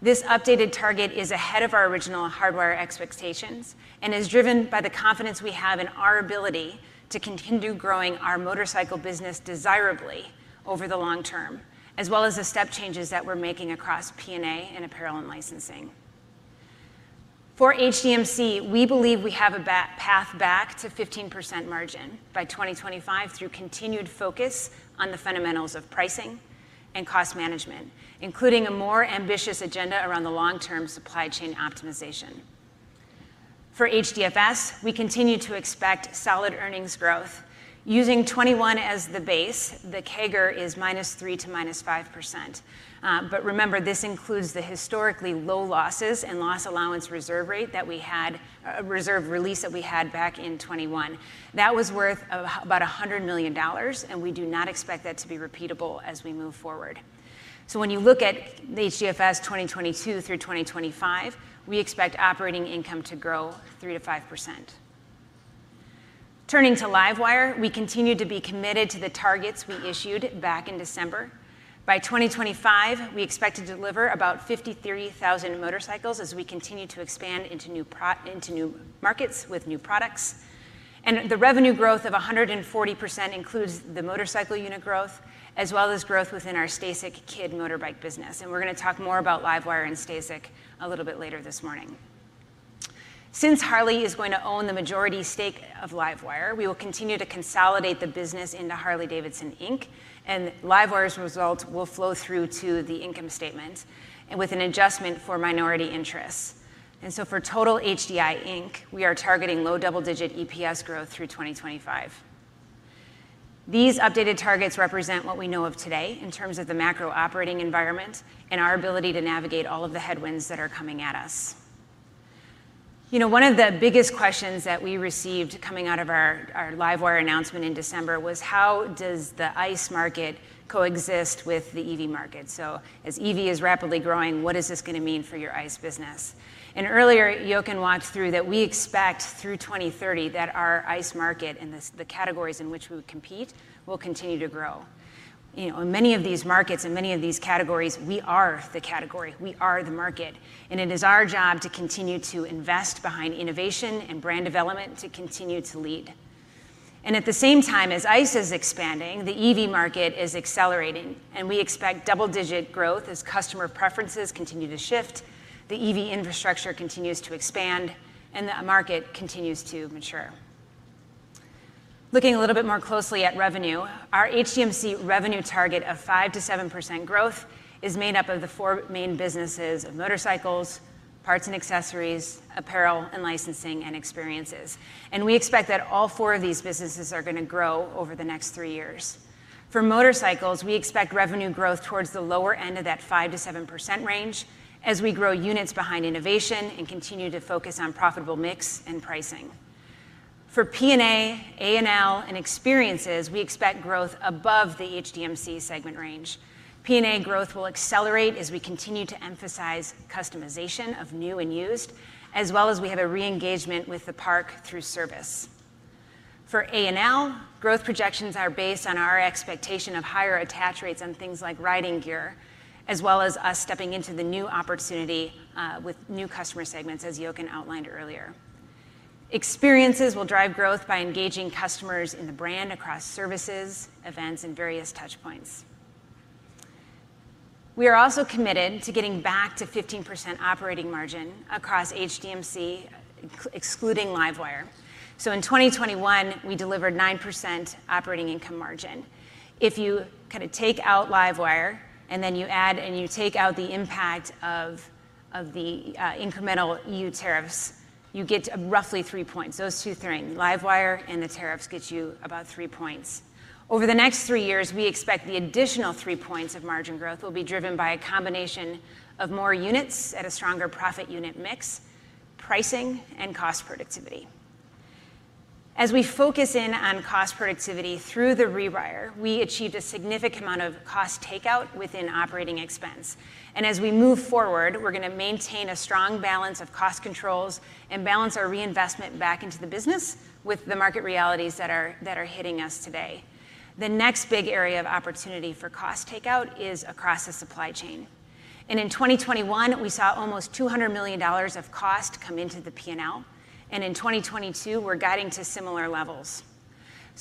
This updated target is ahead of our original Hardwire expectations and is driven by the confidence we have in our ability to continue growing our motorcycle business desirably over the long-term, as well as the step changes that we're making across PNA and apparel and licensing. For HDMC, we believe we have a path back to 15% margin by 2025 through continued focus on the fundamentals of pricing and cost management, including a more ambitious agenda around the long-term supply chain optimization. For HDFS, we continue to expect solid earnings growth. Using 2021 as the base, the CAGR is -3% to -5%. Remember, this includes the historically low losses and loss allowance reserve rate that we had, a reserve release that we had back in 2021. That was worth about $100 million, and we do not expect that to be repeatable as we move forward. When you look at the HDFS 2022 through 2025, we expect operating income to grow 3%-5%. Turning to LiveWire, we continue to be committed to the targets we issued back in December. By 2025, we expect to deliver about 53,000 motorcycles as we continue to expand into new markets with new products. The revenue growth of 140% includes the motorcycle unit growth as well as growth within our STACYC kid motorbike business. We're gonna talk more about LiveWire and STACYC a little bit later this morning. Since Harley is going to own the majority stake of LiveWire, we will continue to consolidate the business into Harley-Davidson, Inc., and LiveWire's results will flow through to the income statement and with an adjustment for minority interests. For total Harley-Davidson, Inc., we are targeting low double-digit EPS growth through 2025. These updated targets represent what we know of today in terms of the macro operating environment and our ability to navigate all of the headwinds that are coming at us. You know, one of the biggest questions that we received coming out of our LiveWire announcement in December was, how does the ICE market coexist with the EV market? As EV is rapidly growing, what is this gonna mean for your ICE business? Earlier, Jochen walked through that we expect through 2030 that our ICE market and the categories in which we compete will continue to grow. You know, in many of these markets and many of these categories, we are the category, we are the market, and it is our job to continue to invest behind innovation and brand development to continue to lead. At the same time as ICE is expanding, the EV market is accelerating, and we expect double-digit growth as customer preferences continue to shift, the EV infrastructure continues to expand, and the market continues to mature. Looking a little bit more closely at revenue, our HDMC revenue target of 5%-7% growth is made up of the four main businesses of motorcycles, parts and accessories, apparel and licensing, and experiences. We expect that all four of these businesses are gonna grow over the next three years. For motorcycles, we expect revenue growth towards the lower end of that 5%-7% range as we grow units behind innovation and continue to focus on profitable mix and pricing. For PNA, A&L, and experiences, we expect growth above the HDMC segment range. PNA growth will accelerate as we continue to emphasize customization of new and used, as well as we have a re-engagement with the park through service. For A&L, growth projections are based on our expectation of higher attach rates on things like riding gear, as well as us stepping into the new opportunity with new customer segments, as Jochen outlined earlier. Experiences will drive growth by engaging customers in the brand across services, events, and various touch points. We are also committed to getting back to 15% operating margin across HDMC, excluding LiveWire. In 2021, we delivered 9% operating income margin. If you kinda take out LiveWire and then you add and you take out the impact of the incremental EU tariffs, you get roughly three points. Those two things, LiveWire and the tariffs, gets you about three points. Over the next three years, we expect the additional three points of margin growth will be driven by a combination of more units at a stronger profit unit mix, pricing, and cost productivity. As we focus in on cost productivity through The Rewire, we achieved a significant amount of cost takeout within operating expense. As we move forward, we're gonna maintain a strong balance of cost controls and balance our reinvestment back into the business with the market realities that are hitting us today. The next big area of opportunity for cost takeout is across the supply chain. In 2021, we saw almost $200 million of cost come into the P&L, and in 2022, we're guiding to similar levels.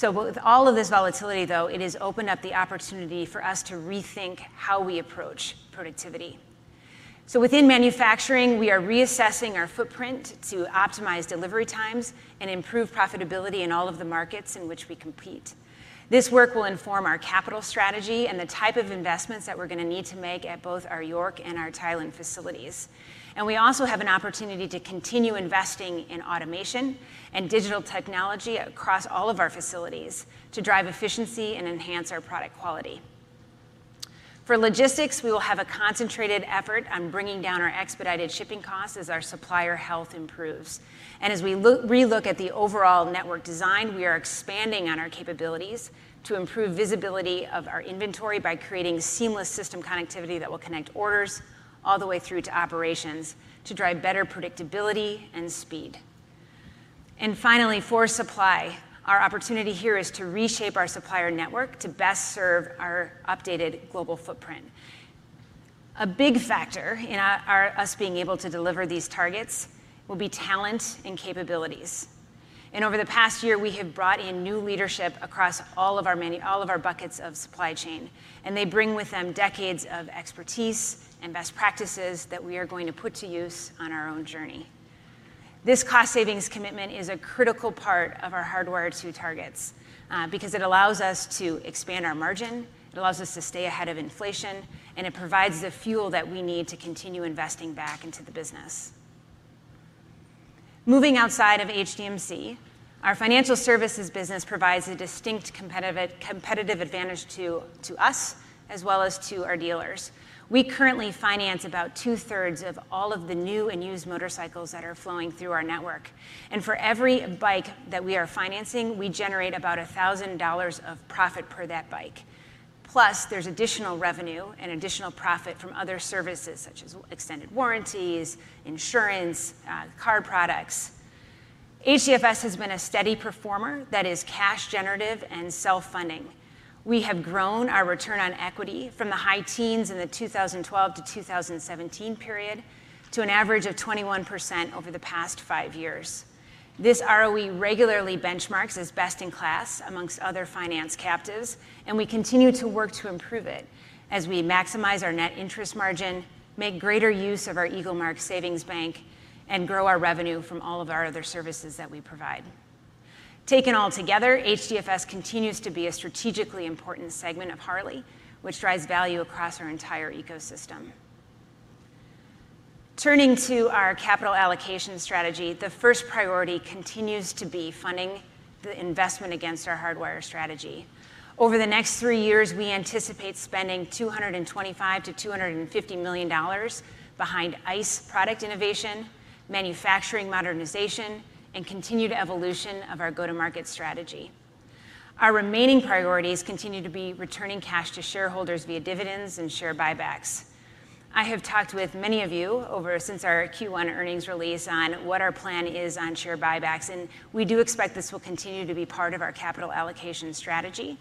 With all of this volatility though, it has opened up the opportunity for us to rethink how we approach productivity. Within manufacturing, we are reassessing our footprint to optimize delivery times and improve profitability in all of the markets in which we compete. This work will inform our capital strategy and the type of investments that we're gonna need to make at both our York and our Thailand facilities. We also have an opportunity to continue investing in automation and digital technology across all of our facilities to drive efficiency and enhance our product quality. For logistics, we will have a concentrated effort on bringing down our expedited shipping costs as our supplier health improves. As we relook at the overall network design, we are expanding on our capabilities to improve visibility of our inventory by creating seamless system connectivity that will connect orders all the way through to operations to drive better predictability and speed. Finally, for supply, our opportunity here is to reshape our supplier network to best serve our updated global footprint. A big factor in us being able to deliver these targets will be talent and capabilities. Over the past year, we have brought in new leadership across all of our buckets of supply chain, and they bring with them decades of expertise and best practices that we are going to put to use on our own journey. This cost savings commitment is a critical part of our Hardwire II targets, because it allows us to expand our margin, it allows us to stay ahead of inflation, and it provides the fuel that we need to continue investing back into the business. Moving outside of HDMC, our financial services business provides a distinct competitive advantage to us as well as to our dealers. We currently finance about two-thirds of all of the new and used motorcycles that are flowing through our network. For every bike that we are financing, we generate about $1,000 of profit per that bike. Plus, there's additional revenue and additional profit from other services such as extended warranties, insurance, car products. HDFS has been a steady performer that is cash generative and self-funding. We have grown our return on equity from the high teens in the 2012 to 2017 period to an average of 21% over the past five years. This ROE regularly benchmarks as best in class amongst other finance captives, and we continue to work to improve it as we maximize our net interest margin, make greater use of our Eaglemark Savings Bank, and grow our revenue from all of our other services that we provide. Taken all together, HDFS continues to be a strategically important segment of Harley, which drives value across our entire ecosystem. Turning to our capital allocation strategy, the first priority continues to be funding the investment against our Hardwire strategy. Over the next three years, we anticipate spending $225 million-$250 million behind ICE product innovation, manufacturing modernization, and continued evolution of our go-to-market strategy. Our remaining priorities continue to be returning cash to shareholders via dividends and share buybacks. I have talked with many of you ever since our Q1 earnings release on what our plan is on share buybacks, and we do expect this will continue to be part of our capital allocation strategy,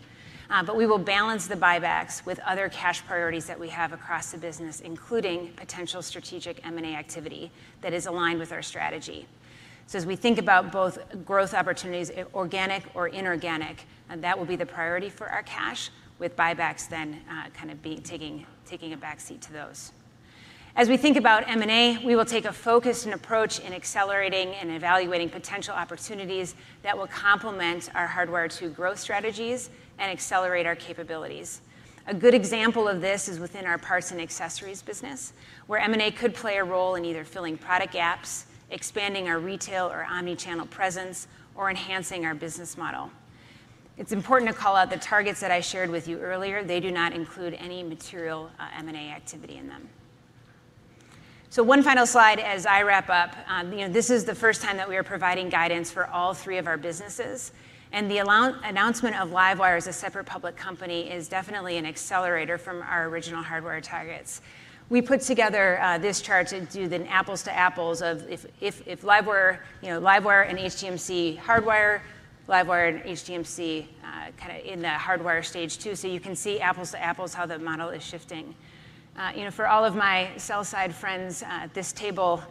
but we will balance the buybacks with other cash priorities that we have across the business, including potential strategic M&A activity that is aligned with our strategy. As we think about both growth opportunities, organic or inorganic, and that will be the priority for our cash with buybacks then kind of taking a back seat to those. As we think about M&A, we will take a focused approach in accelerating and evaluating potential opportunities that will complement our Hardwire, too, growth strategies and accelerate our capabilities. A good example of this is within our parts and accessories business, where M&A could play a role in either filling product gaps, expanding our retail or omni-channel presence, or enhancing our business model. It's important to call out the targets that I shared with you earlier. They do not include any material M&A activity in them. One final slide as I wrap up. You know, this is the first time that we are providing guidance for all three of our businesses, and the announcement of LiveWire as a separate public company is definitely an accelerator from our original Hardwire targets. We put together this chart to do an apples to apples of if LiveWire, you know, LiveWire and HDMC Hardwire, LiveWire and HDMC kind of in the Hardwire Stage 2, so you can see apples to apples how the model is shifting. You know, for all of my sell-side friends at this table,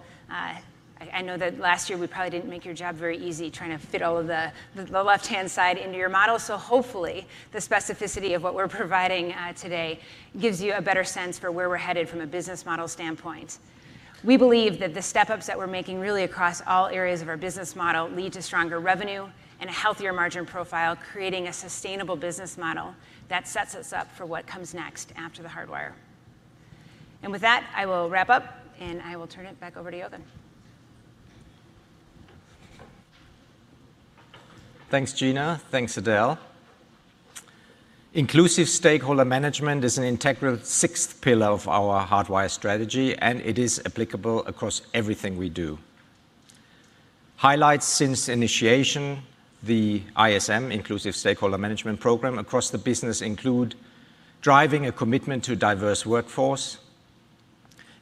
I know that last year we probably didn't make your job very easy trying to fit all of the left-hand side into your model. Hopefully the specificity of what we're providing today gives you a better sense for where we're headed from a business model standpoint. We believe that the step-ups that we're making really across all areas of our business model lead to stronger revenue and a healthier margin profile, creating a sustainable business model that sets us up for what comes next after the Hardwire. With that, I will wrap up, and I will turn it back over to Jochen. Thanks, Gina. Thanks, Edel. Inclusive Stakeholder Management is an integral sixth pillar of our Hardwire strategy, and it is applicable across everything we do. Highlights since initiating the ISM, Inclusive Stakeholder Management program across the business include driving a commitment to a diverse workforce,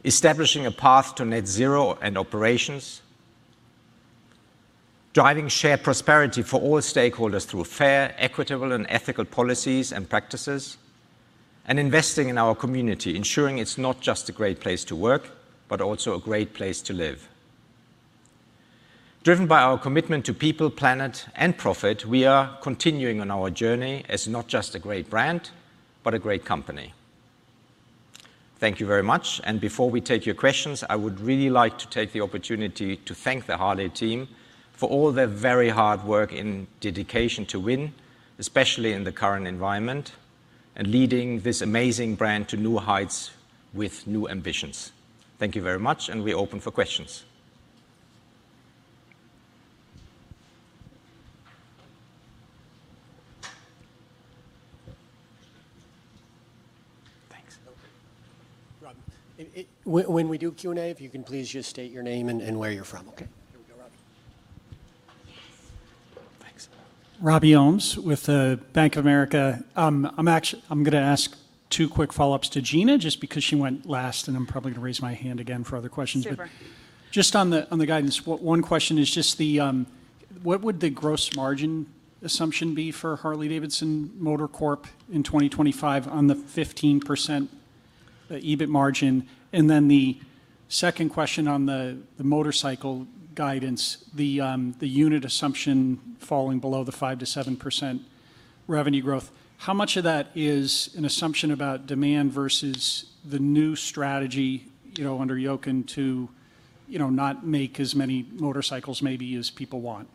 establishing a path to net zero in operations, driving shared prosperity for all stakeholders through fair, equitable, and ethical policies and practices, and investing in our community, ensuring it's not just a great place to work, but also a great place to live. Driven by our commitment to people, planet, and profit, we are continuing on our journey as not just a great brand, but a great company. Thank you very much. Before we take your questions, I would really like to take the opportunity to thank the Harley team for all their very hard work and dedication to win, especially in the current environment, and leading this amazing brand to new heights with new ambitions. Thank you very much, and we're open for questions. Thanks. Robin, when we do Q&A, if you can please just state your name and where you're from. Okay. Here we go, Robin. Thanks. Robby Ohmes with Bank of America. I'm gonna ask two quick follow-ups to Gina, just because she went last, and I'm probably gonna raise my hand again for other questions. But Super Just on the guidance, one question is just what would the gross margin assumption be for Harley-Davidson Motor Company in 2025 on the 15% EBIT margin? The second question on the motorcycle guidance, the unit assumption falling below the 5%-7% revenue growth, how much of that is an assumption about demand versus the new strategy, you know, under Jochen to, you know, not make as many motorcycles maybe as people want?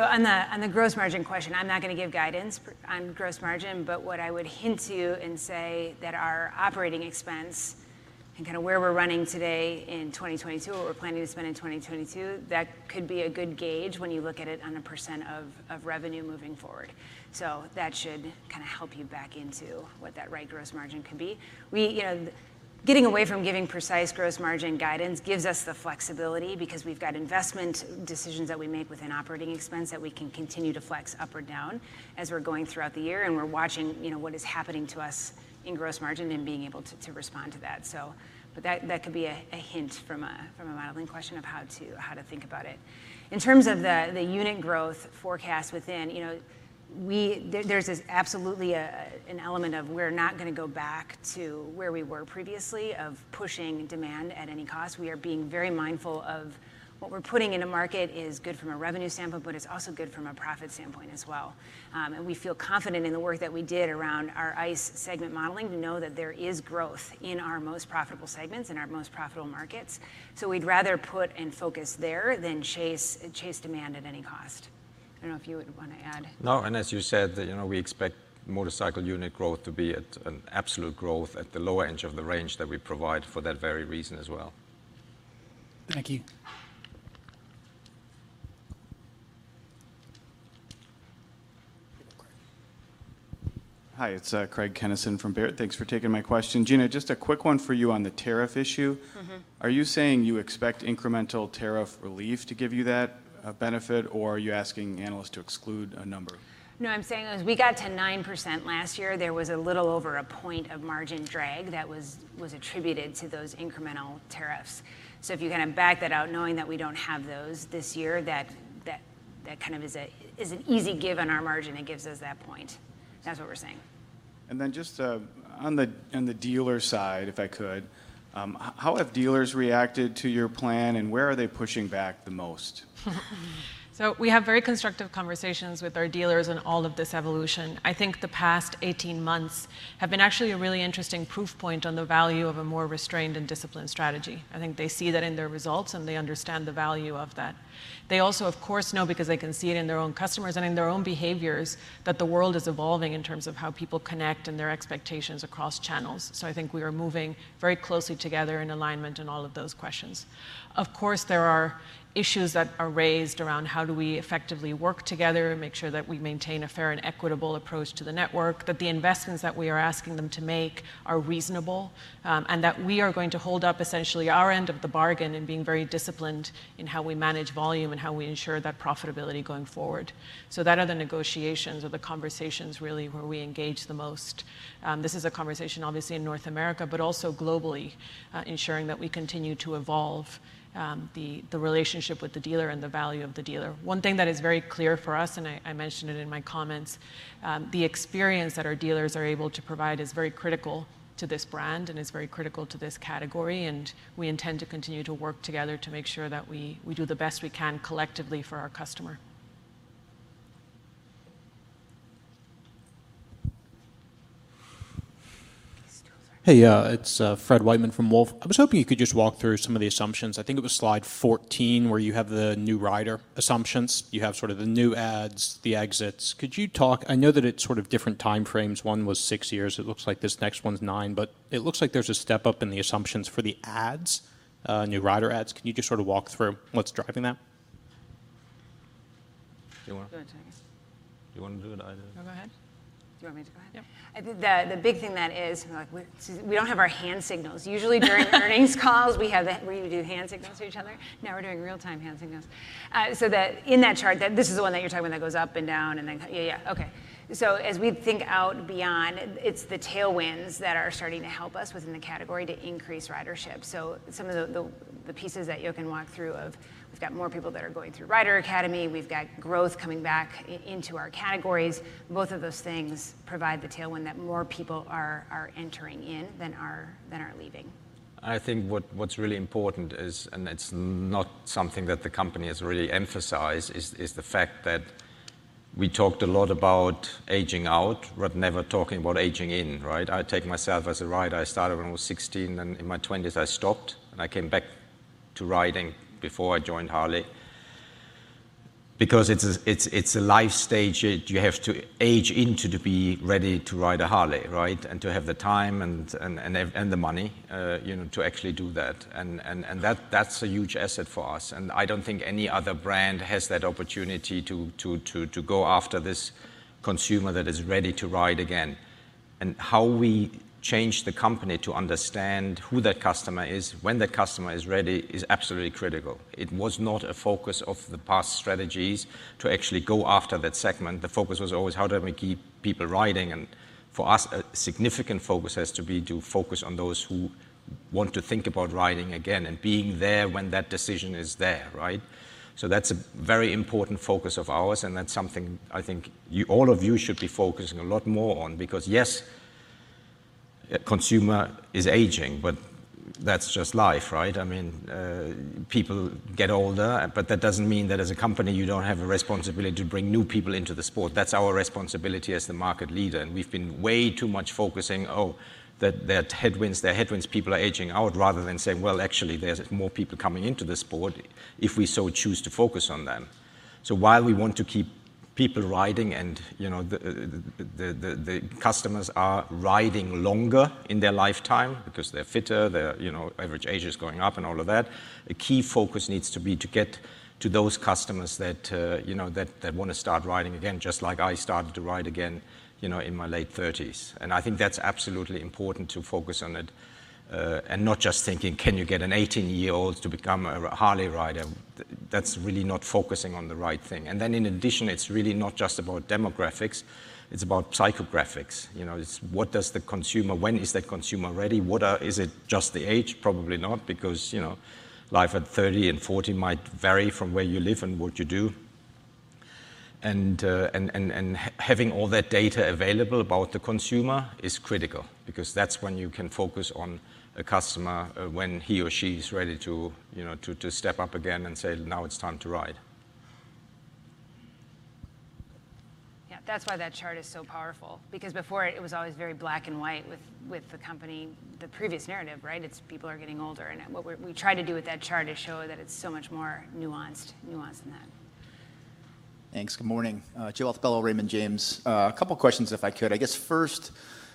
On the gross margin question, I'm not gonna give guidance on gross margin, but what I would hint to and say that our operating expense and kinda where we're running today in 2022, what we're planning to spend in 2022, that could be a good gauge when you look at it on a percent of revenue moving forward. That should kinda help you back into what that right gross margin could be. We, you know, the getting away from giving precise gross margin guidance gives us the flexibility because we've got investment decisions that we make within operating expense that we can continue to flex up or down as we're going throughout the year, and we're watching, you know, what is happening to us in gross margin and being able to respond to that. That could be a hint from a modeling question of how to think about it. In terms of the unit growth forecast within, you know, there's absolutely an element of we're not gonna go back to where we were previously of pushing demand at any cost. We are being very mindful of what we're putting in a market is good from a revenue standpoint, but it's also good from a profit standpoint as well. We feel confident in the work that we did around our ICE segment modeling to know that there is growth in our most profitable segments, in our most profitable markets. We'd rather put and focus there than chase demand at any cost. I don't know if you would wanna add. No. As you said, you know, we expect motorcycle unit growth to be at an absolute growth at the lower edge of the range that we provide for that very reason as well. Thank you. Craig. Hi, it's Craig Kennison from Baird. Thanks for taking my question. Gina, just a quick one for you on the tariff issue. Mm-hmm. Are you saying you expect incremental tariff relief to give you that, benefit, or are you asking analysts to exclude a number? No, I'm saying as we got to 9% last year, there was a little over a point of margin drag that was attributed to those incremental tariffs. If you kinda back that out knowing that we don't have those this year, that kind of is an easy give on our margin and gives us that point. That's what we're saying. Just on the dealer side, if I could, how have dealers reacted to your plan, and where are they pushing back the most? We have very constructive conversations with our dealers in all of this evolution. I think the past 18 months have been actually a really interesting proof point on the value of a more restrained and disciplined strategy. I think they see that in their results, and they understand the value of that. They also, of course, know because they can see it in their own customers and in their own behaviors that the world is evolving in terms of how people connect and their expectations across channels. I think we are moving very closely together in alignment in all of those questions. Of course, there are issues that are raised around how do we effectively work together and make sure that we maintain a fair and equitable approach to the network, that the investments that we are asking them to make are reasonable, and that we are going to hold up essentially our end of the bargain in being very disciplined in how we manage volume and how we ensure that profitability going forward. That other negotiations or the conversations really where we engage the most, this is a conversation obviously in North America, but also globally, ensuring that we continue to evolve the relationship with the dealer and the value of the dealer. One thing that is very clear for us, and I mentioned it in my comments, the experience that our dealers are able to provide is very critical to this brand and is very critical to this category, and we intend to continue to work together to make sure that we do the best we can collectively for our customer. Sorry. Hey, it's Fred Wightman from Wolfe Research. I was hoping you could just walk through some of the assumptions. I think it was slide 14 where you have the new rider assumptions. You have sort of the new adds, the exits. Could you talk? I know that it's sort of different time frames. One was six years. It looks like this next one's nine. It looks like there's a step up in the assumptions for the adds, new rider adds. Can you just sort of walk through what's driving that? Do you wanna? Go ahead, Jochen. Do you wanna do it? I don't. No, go ahead. Do you want me to go ahead? Yep. I think the big thing that is, like, we see, we don't have our hand signals. Usually during earnings calls, we do hand signals to each other. Now we're doing real-time hand signals. That in that chart, this is the one that you're talking about that goes up and down. Yeah, yeah. Okay. As we think out beyond, it's the tailwinds that are starting to help us within the category to increase ridership. Some of the pieces that Jochen walked through of we've got more people that are going through Riding Academy, we've got growth coming back into our categories. Both of those things provide the tailwind that more people are entering in than are leaving. I think what's really important is, and it's not something that the company has really emphasized, is the fact that we talked a lot about aging out, but never talking about aging in, right? I take myself as a rider. I started when I was 16, and in my twenties I stopped, and I came back to riding before I joined Harley. Because it's a life stage that you have to age into to be ready to ride a Harley, right? And to have the time and the money, you know, to actually do that. That's a huge asset for us. I don't think any other brand has that opportunity to go after this consumer that is ready to ride again. How we change the company to understand who that customer is, when that customer is ready, is absolutely critical. It was not a focus of the past strategies to actually go after that segment. The focus was always how do we keep people riding. For us, a significant focus has to be to focus on those who want to think about riding again and being there when that decision is there, right? That's a very important focus of ours, and that's something I think you, all of you should be focusing a lot more on because, yes, consumer is aging, but that's just life, right? I mean, people get older, but that doesn't mean that as a company you don't have a responsibility to bring new people into the sport. That's our responsibility as the market leader, and we've been way too much focusing, oh, that there are headwinds, people are aging out, rather than saying, well, actually, there's more people coming into the sport if we so choose to focus on them. While we want to keep people riding and, you know, the customers are riding longer in their lifetime because they're fitter, they're, you know, average age is going up and all of that, a key focus needs to be to get to those customers that, you know, that wanna start riding again, just like I started to ride again, you know, in my late 30s. I think that's absolutely important to focus on it and not just thinking, can you get an 18-year-old to become a Harley rider? That's really not focusing on the right thing. In addition, it's really not just about demographics, it's about psychographics. You know, it's when is that consumer ready? Is it just the age? Probably not, because, you know, life at 30 and 40 might vary from where you live and what you do. Having all that data available about the consumer is critical because that's when you can focus on a customer, when he or she is ready to, you know, step up again and say, "Now it's time to ride. Yeah, that's why that chart is so powerful, because before it was always very black and white with the company, the previous narrative, right? It's people are getting older, and we try to do with that chart is show that it's so much more nuanced than that. Thanks. Good morning. Joseph Altobello, Raymond James. A couple questions, if I could. I guess first,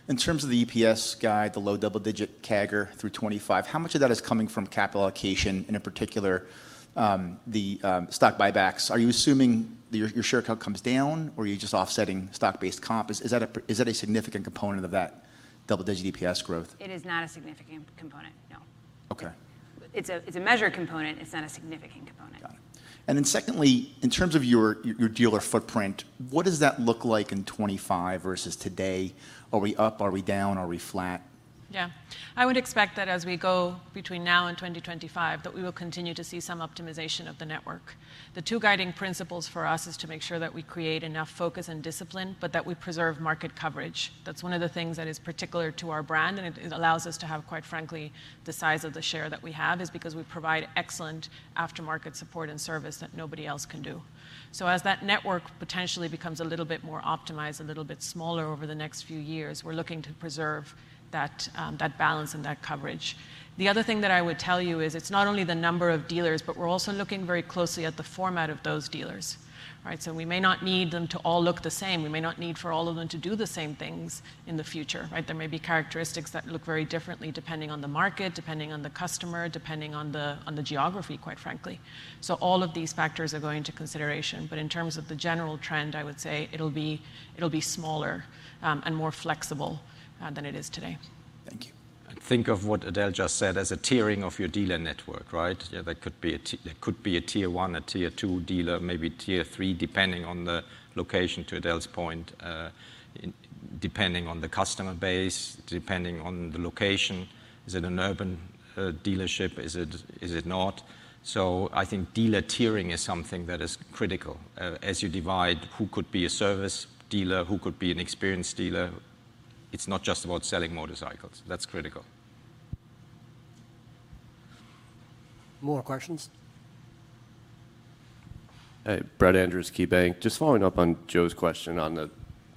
in terms of the EPS guide, the low double-digit CAGR through 2025, how much of that is coming from capital allocation, and in particular, the stock buybacks? Are you assuming that your share count comes down, or are you just offsetting stock-based comp? Is that a significant component of that double-digit EPS growth? It is not a significant component, no. Okay. It's a measure component. It's not a significant component. Got it. Secondly, in terms of your dealer footprint, what does that look like in 25 versus today? Are we up? Are we down? Are we flat? Yeah. I would expect that as we go between now and 2025, that we will continue to see some optimization of the network. The two guiding principles for us is to make sure that we create enough focus and discipline, but that we preserve market coverage. That's one of the things that is particular to our brand, and it allows us to have, quite frankly, the size of the share that we have, is because we provide excellent aftermarket support and service that nobody else can do. So as that network potentially becomes a little bit more optimized, a little bit smaller over the next few years, we're looking to preserve that balance and that coverage. The other thing that I would tell you is it's not only the number of dealers, but we're also looking very closely at the format of those dealers, right? We may not need them to all look the same. We may not need for all of them to do the same things in the future, right? There may be characteristics that look very differently depending on the market, depending on the customer, depending on the geography, quite frankly. All of these factors are going into consideration. In terms of the general trend, I would say it'll be smaller and more flexible than it is today. Thank you. Think of what Edel just said as a tiering of your dealer network, right? Yeah, that could be a there could be a tier one, a tier two dealer, maybe tier three, depending on the location, to Edel's point, depending on the customer base, depending on the location. Is it an urban dealership? Is it not? I think dealer tiering is something that is critical, as you divide who could be a service dealer, who could be an experienced dealer. It's not just about selling motorcycles. That's critical. More questions. Hey, Brett Andress, KeyBanc Capital Markets. Just following up on Joe's question on the,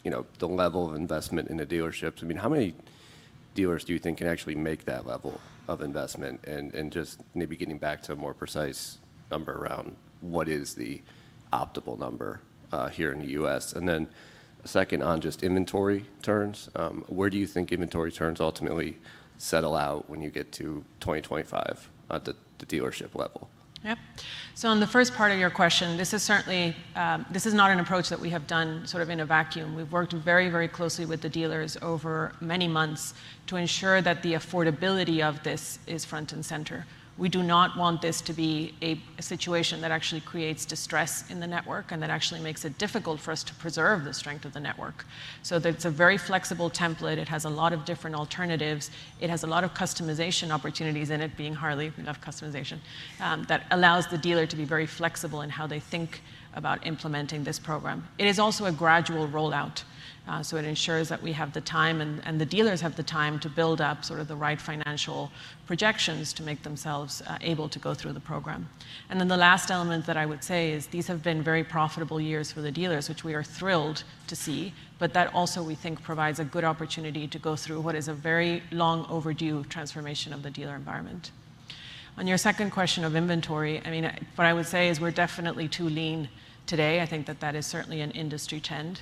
you know, the level of investment in the dealerships. I mean, how many dealers do you think can actually make that level of investment? And just maybe getting back to a more precise number around what is the optimal number here in the U.S. And then second on just inventory turns, where do you think inventory turns ultimately settle out when you get to 2025 at the dealership level? Yep. On the first part of your question, this is not an approach that we have done sort of in a vacuum. We've worked very, very closely with the dealers over many months to ensure that the affordability of this is front and center. We do not want this to be a situation that actually creates distress in the network and that actually makes it difficult for us to preserve the strength of the network. It's a very flexible template. It has a lot of different alternatives. It has a lot of customization opportunities in it, being Harley, enough customization, that allows the dealer to be very flexible in how they think about implementing this program. It is also a gradual rollout, so it ensures that we have the time and the dealers have the time to build up sort of the right financial projections to make themselves able to go through the program. Then the last element that I would say is these have been very profitable years for the dealers, which we are thrilled to see, but that also, we think, provides a good opportunity to go through what is a very long overdue transformation of the dealer environment. On your second question of inventory, I mean, what I would say is we're definitely too lean today. I think that is certainly an industry trend.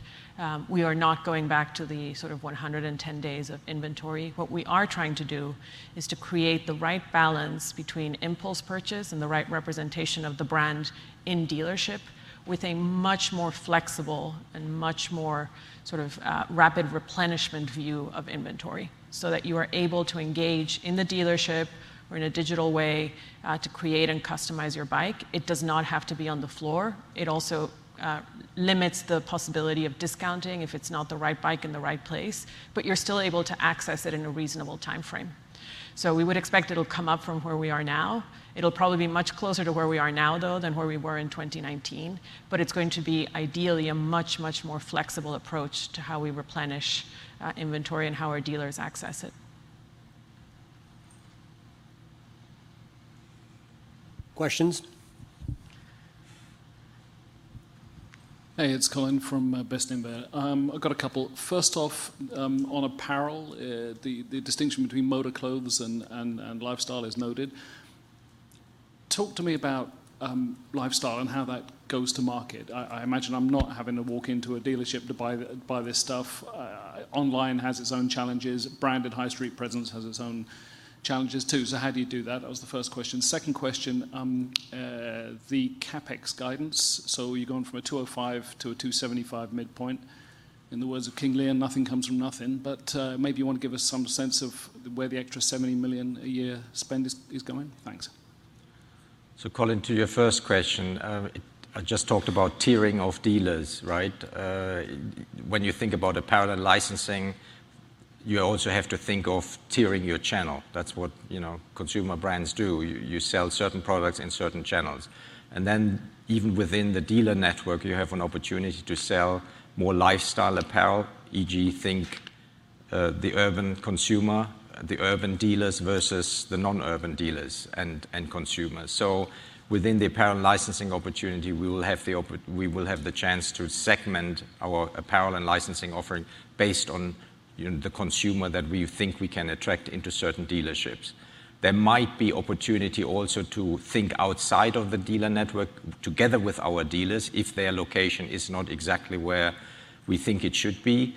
We are not going back to the sort of 110 days of inventory. What we are trying to do is to create the right balance between impulse purchase and the right representation of the brand in dealership with a much more flexible and much more sort of, rapid replenishment view of inventory so that you are able to engage in the dealership or in a digital way, to create and customize your bike. It does not have to be on the floor. It also limits the possibility of discounting if it's not the right bike in the right place, but you're still able to access it in a reasonable timeframe. We would expect it'll come up from where we are now. It'll probably be much closer to where we are now, though, than where we were in 2019, but it's going to be ideally a much, much more flexible approach to how we replenish inventory and how our dealers access it. Questions? Hey, it's Colin from Bernstein. I've got a couple. First off, on apparel, the distinction between MotorClothes and lifestyle is noted. Talk to me about lifestyle and how that goes to market. I imagine I'm not having to walk into a dealership to buy this stuff. Online has its own challenges. Branded high street presence has its own challenges too. How do you do that? That was the first question. Second question, the CapEx guidance. You're going from a $205 million- $275 million midpoint. In the words of King Lear, nothing comes from nothing. Maybe you wanna give us some sense of where the extra $70 million a year spend is going. Thanks. Colin, to your first question, I just talked about tiering of dealers, right? When you think about apparel and licensing, you also have to think of tiering your channel. That's what, you know, consumer brands do. You sell certain products in certain channels. Then even within the dealer network, you have an opportunity to sell more lifestyle apparel, e.g., think, the urban consumer, the urban dealers versus the non-urban dealers and consumers. Within the apparel and licensing opportunity, we will have the chance to segment our apparel and licensing offering based on, you know, the consumer that we think we can attract into certain dealerships. There might be opportunity also to think outside of the dealer network together with our dealers, if their location is not exactly where we think it should be.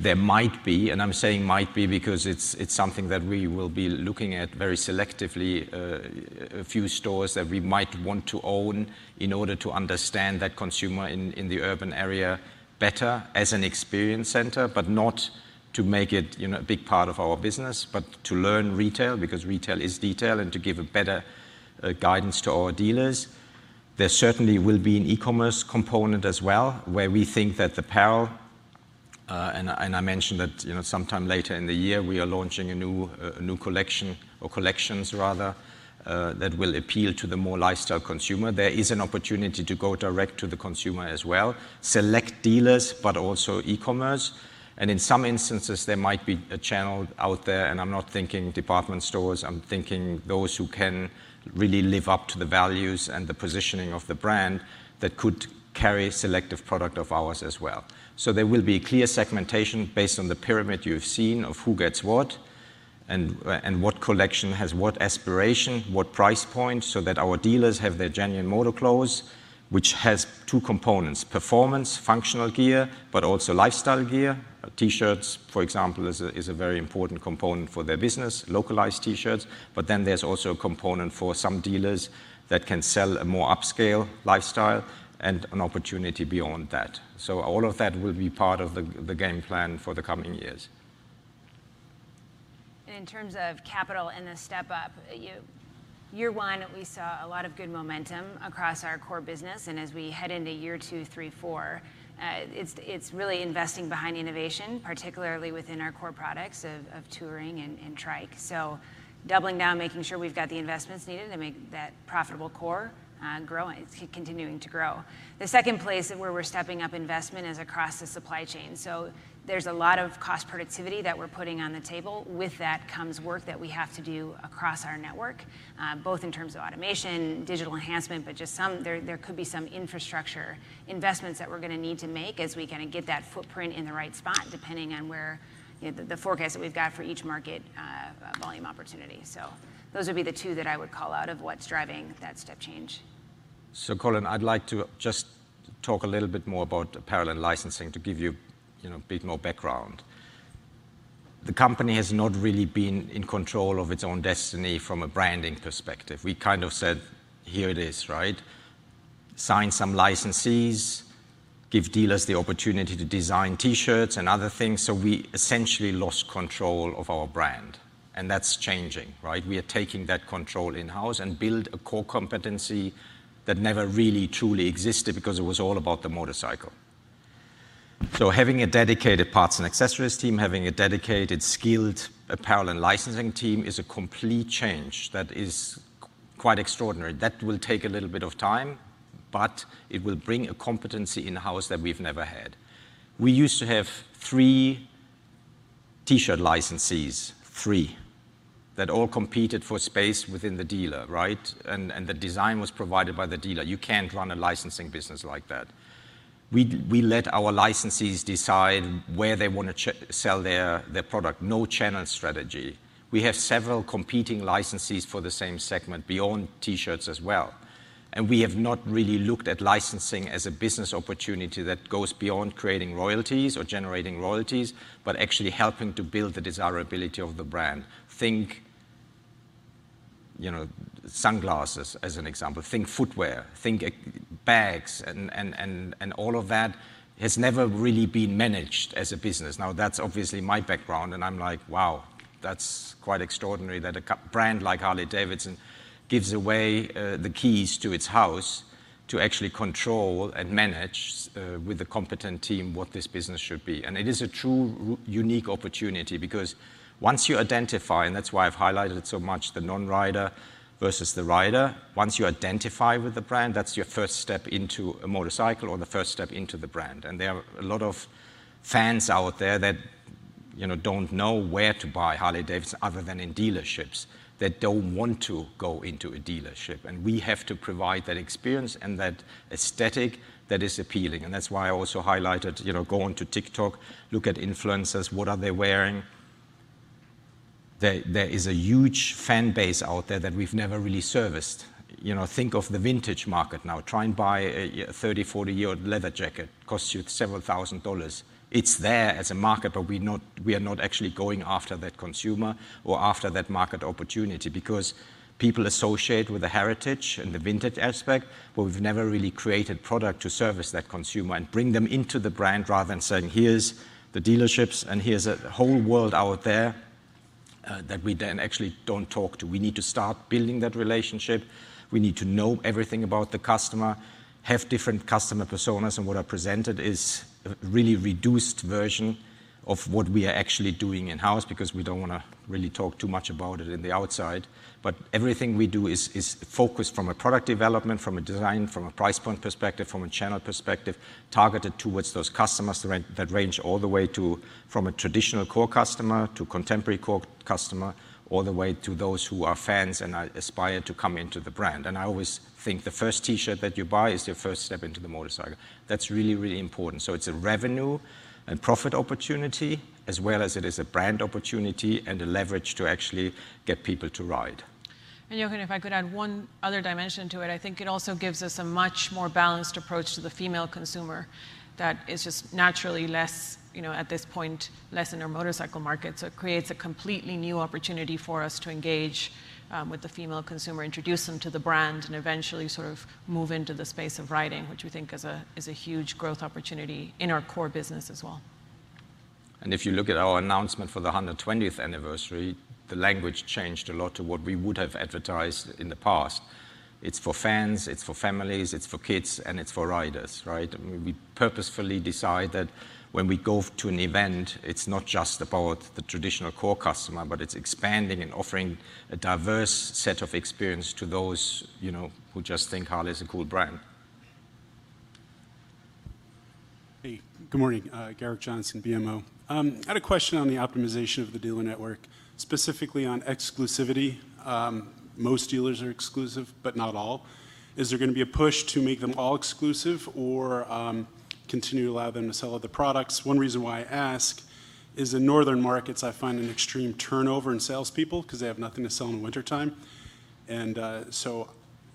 There might be, and I'm saying might be because it's something that we will be looking at very selectively, a few stores that we might want to own in order to understand that consumer in the urban area better as an experience center, but not to make it, you know, a big part of our business, but to learn retail, because retail is detail, and to give a better guidance to our dealers. There certainly will be an e-commerce component as well, where we think that the apparel, and I mentioned that, you know, sometime later in the year, we are launching a new a new collection or collections rather, that will appeal to the more lifestyle consumer. There is an opportunity to go direct to the consumer as well, select dealers, but also e-commerce. In some instances, there might be a channel out there, and I'm not thinking department stores, I'm thinking those who can really live up to the values and the positioning of the brand that could carry selective product of ours as well. There will be clear segmentation based on the pyramid you've seen of who gets what and what collection has what aspiration, what price point, so that our dealers have their genuine MotorClothes, which has two components, performance, functional gear, but also lifestyle gear. T-shirts, for example, is a very important component for their business, localized T-shirts. There's also a component for some dealers that can sell a more upscale lifestyle and an opportunity beyond that. All of that will be part of the game plan for the coming years. In terms of capital and the step-up, year one, we saw a lot of good momentum across our core business, and as we head into year two, three, four, it's really investing behind innovation, particularly within our core products of touring and trikes. Doubling down, making sure we've got the investments needed to make that profitable core growing, continuing to grow. The second place where we're stepping up investment is across the supply chain. There's a lot of cost productivity that we're putting on the table. With that comes work that we have to do across our network, both in terms of automation, digital enhancement, but there could be some infrastructure investments that we're gonna need to make as we kinda get that footprint in the right spot, depending on where, you know, the forecast that we've got for each market, volume opportunity. Those would be the two that I would call out of what's driving that step change. Colin, I'd like to just talk a little bit more about apparel and licensing to give you know, a bit more background. The company has not really been in control of its own destiny from a branding perspective. We kind of said, "Here it is," right? Sign some licensees, give dealers the opportunity to design T-shirts and other things, so we essentially lost control of our brand, and that's changing, right? We are taking that control in-house and build a core competency that never really truly existed because it was all about the motorcycle. Having a dedicated parts and accessories team, having a dedicated skilled apparel and licensing team is a complete change that is quite extraordinary. That will take a little bit of time, but it will bring a competency in-house that we've never had. We used to have three T-shirt licensees that all competed for space within the dealer, right? The design was provided by the dealer. You can't run a licensing business like that. We let our licensees decide where they wanna sell their product. No channel strategy. We have several competing licensees for the same segment beyond T-shirts as well. We have not really looked at licensing as a business opportunity that goes beyond creating royalties or generating royalties, but actually helping to build the desirability of the brand. Think, you know, sunglasses as an example. Think footwear, think bags and all of that has never really been managed as a business. That's obviously my background and I'm like, "Wow, that's quite extraordinary that a cult brand like Harley-Davidson gives away the keys to its house to actually control and manage with a competent team what this business should be." It is a truly unique opportunity because once you identify, and that's why I've highlighted it so much, the non-rider versus the rider, once you identify with the brand, that's your first step into a motorcycle or the first step into the brand. There are a lot of fans out there that you know, don't know where to buy Harley-Davidson other than in dealerships that don't want to go into a dealership. We have to provide that experience and that aesthetic that is appealing. That's why I also highlighted, you know, go onto TikTok, look at influencers, what are they wearing? There is a huge fan base out there that we've never really serviced. You know, think of the vintage market now. Try and buy a 40-year-old leather jacket, costs you several thousand dollars. It's there as a market, but we are not actually going after that consumer or after that market opportunity because people associate with the heritage and the vintage aspect, but we've never really created product to service that consumer and bring them into the brand rather than saying, "Here's the dealerships, and here's a whole world out there," that we then actually don't talk to. We need to start building that relationship. We need to know everything about the customer, have different customer personas, and what I presented is a really reduced version of what we are actually doing in-house because we don't wanna really talk too much about it in the outside. Everything we do is focused from a product development, from a design, from a price point perspective, from a channel perspective, targeted towards those customers that range all the way to, from a traditional core customer to contemporary core customer, all the way to those who are fans and are aspire to come into the brand. I always think the first T-shirt that you buy is your first step into the motorcycle. That's really, really important. It's a revenue and profit opportunity as well as it is a brand opportunity and a leverage to actually get people to ride. Jochen, if I could add one other dimension to it, I think it also gives us a much more balanced approach to the female consumer that is just naturally less, you know, at this point, less in our motorcycle market. It creates a completely new opportunity for us to engage with the female consumer, introduce them to the brand, and eventually sort of move into the space of riding, which we think is a huge growth opportunity in our core business as well. If you look at our announcement for the 120th anniversary, the language changed a lot to what we would have advertised in the past. It's for fans, it's for families, it's for kids, and it's for riders, right? We purposefully decide that when we go to an event, it's not just about the traditional core customer, but it's expanding and offering a diverse set of experience to those, you know, who just think Harley's a cool brand. Hey, good morning, Gerrick Johnson, BMO. I had a question on the optimization of the dealer network, specifically on exclusivity. Most dealers are exclusive, but not all. Is there gonna be a push to make them all exclusive or continue to allow them to sell other products? One reason why I ask is in northern markets, I find an extreme turnover in salespeople because they have nothing to sell in the wintertime, and so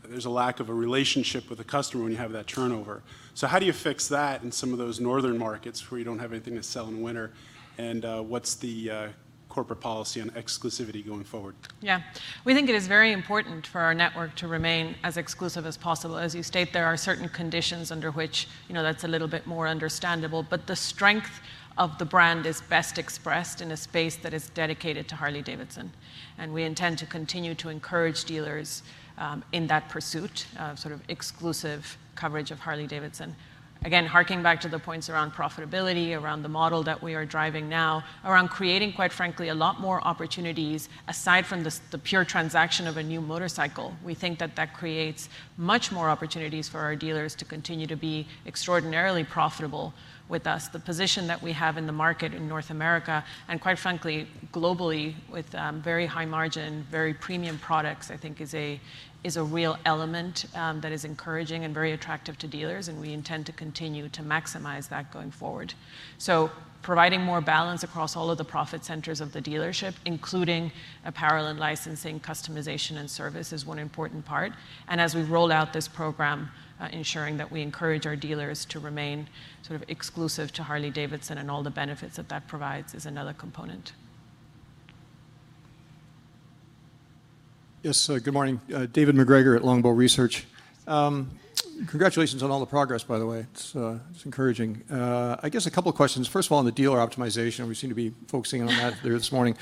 there's a lack of a relationship with the customer when you have that turnover. How do you fix that in some of those northern markets where you don't have anything to sell in winter, and what's the corporate policy on exclusivity going forward? Yeah. We think it is very important for our network to remain as exclusive as possible. As you state, there are certain conditions under which, you know, that's a little bit more understandable, but the strength of the brand is best expressed in a space that is dedicated to Harley-Davidson, and we intend to continue to encourage dealers in that pursuit of sort of exclusive coverage of Harley-Davidson. Again, harking back to the points around profitability, around the model that we are driving now, around creating, quite frankly, a lot more opportunities aside from the pure transaction of a new motorcycle. We think that that creates much more opportunities for our dealers to continue to be extraordinarily profitable with us. The position that we have in the market in North America, and quite frankly, globally, with very high margin, very premium products, I think is a real element that is encouraging and very attractive to dealers, and we intend to continue to maximize that going forward. Providing more balance across all of the profit centers of the dealership, including apparel and licensing, customization and service is one important part. As we roll out this program, ensuring that we encourage our dealers to remain sort of exclusive to Harley-Davidson and all the benefits that that provides is another component. Yes. Good morning. David MacGregor at Longbow Research. Congratulations on all the progress, by the way. It's, it's encouraging. I guess a couple of questions. First of all, on the dealer optimization, we seem to be focusing on that this morning.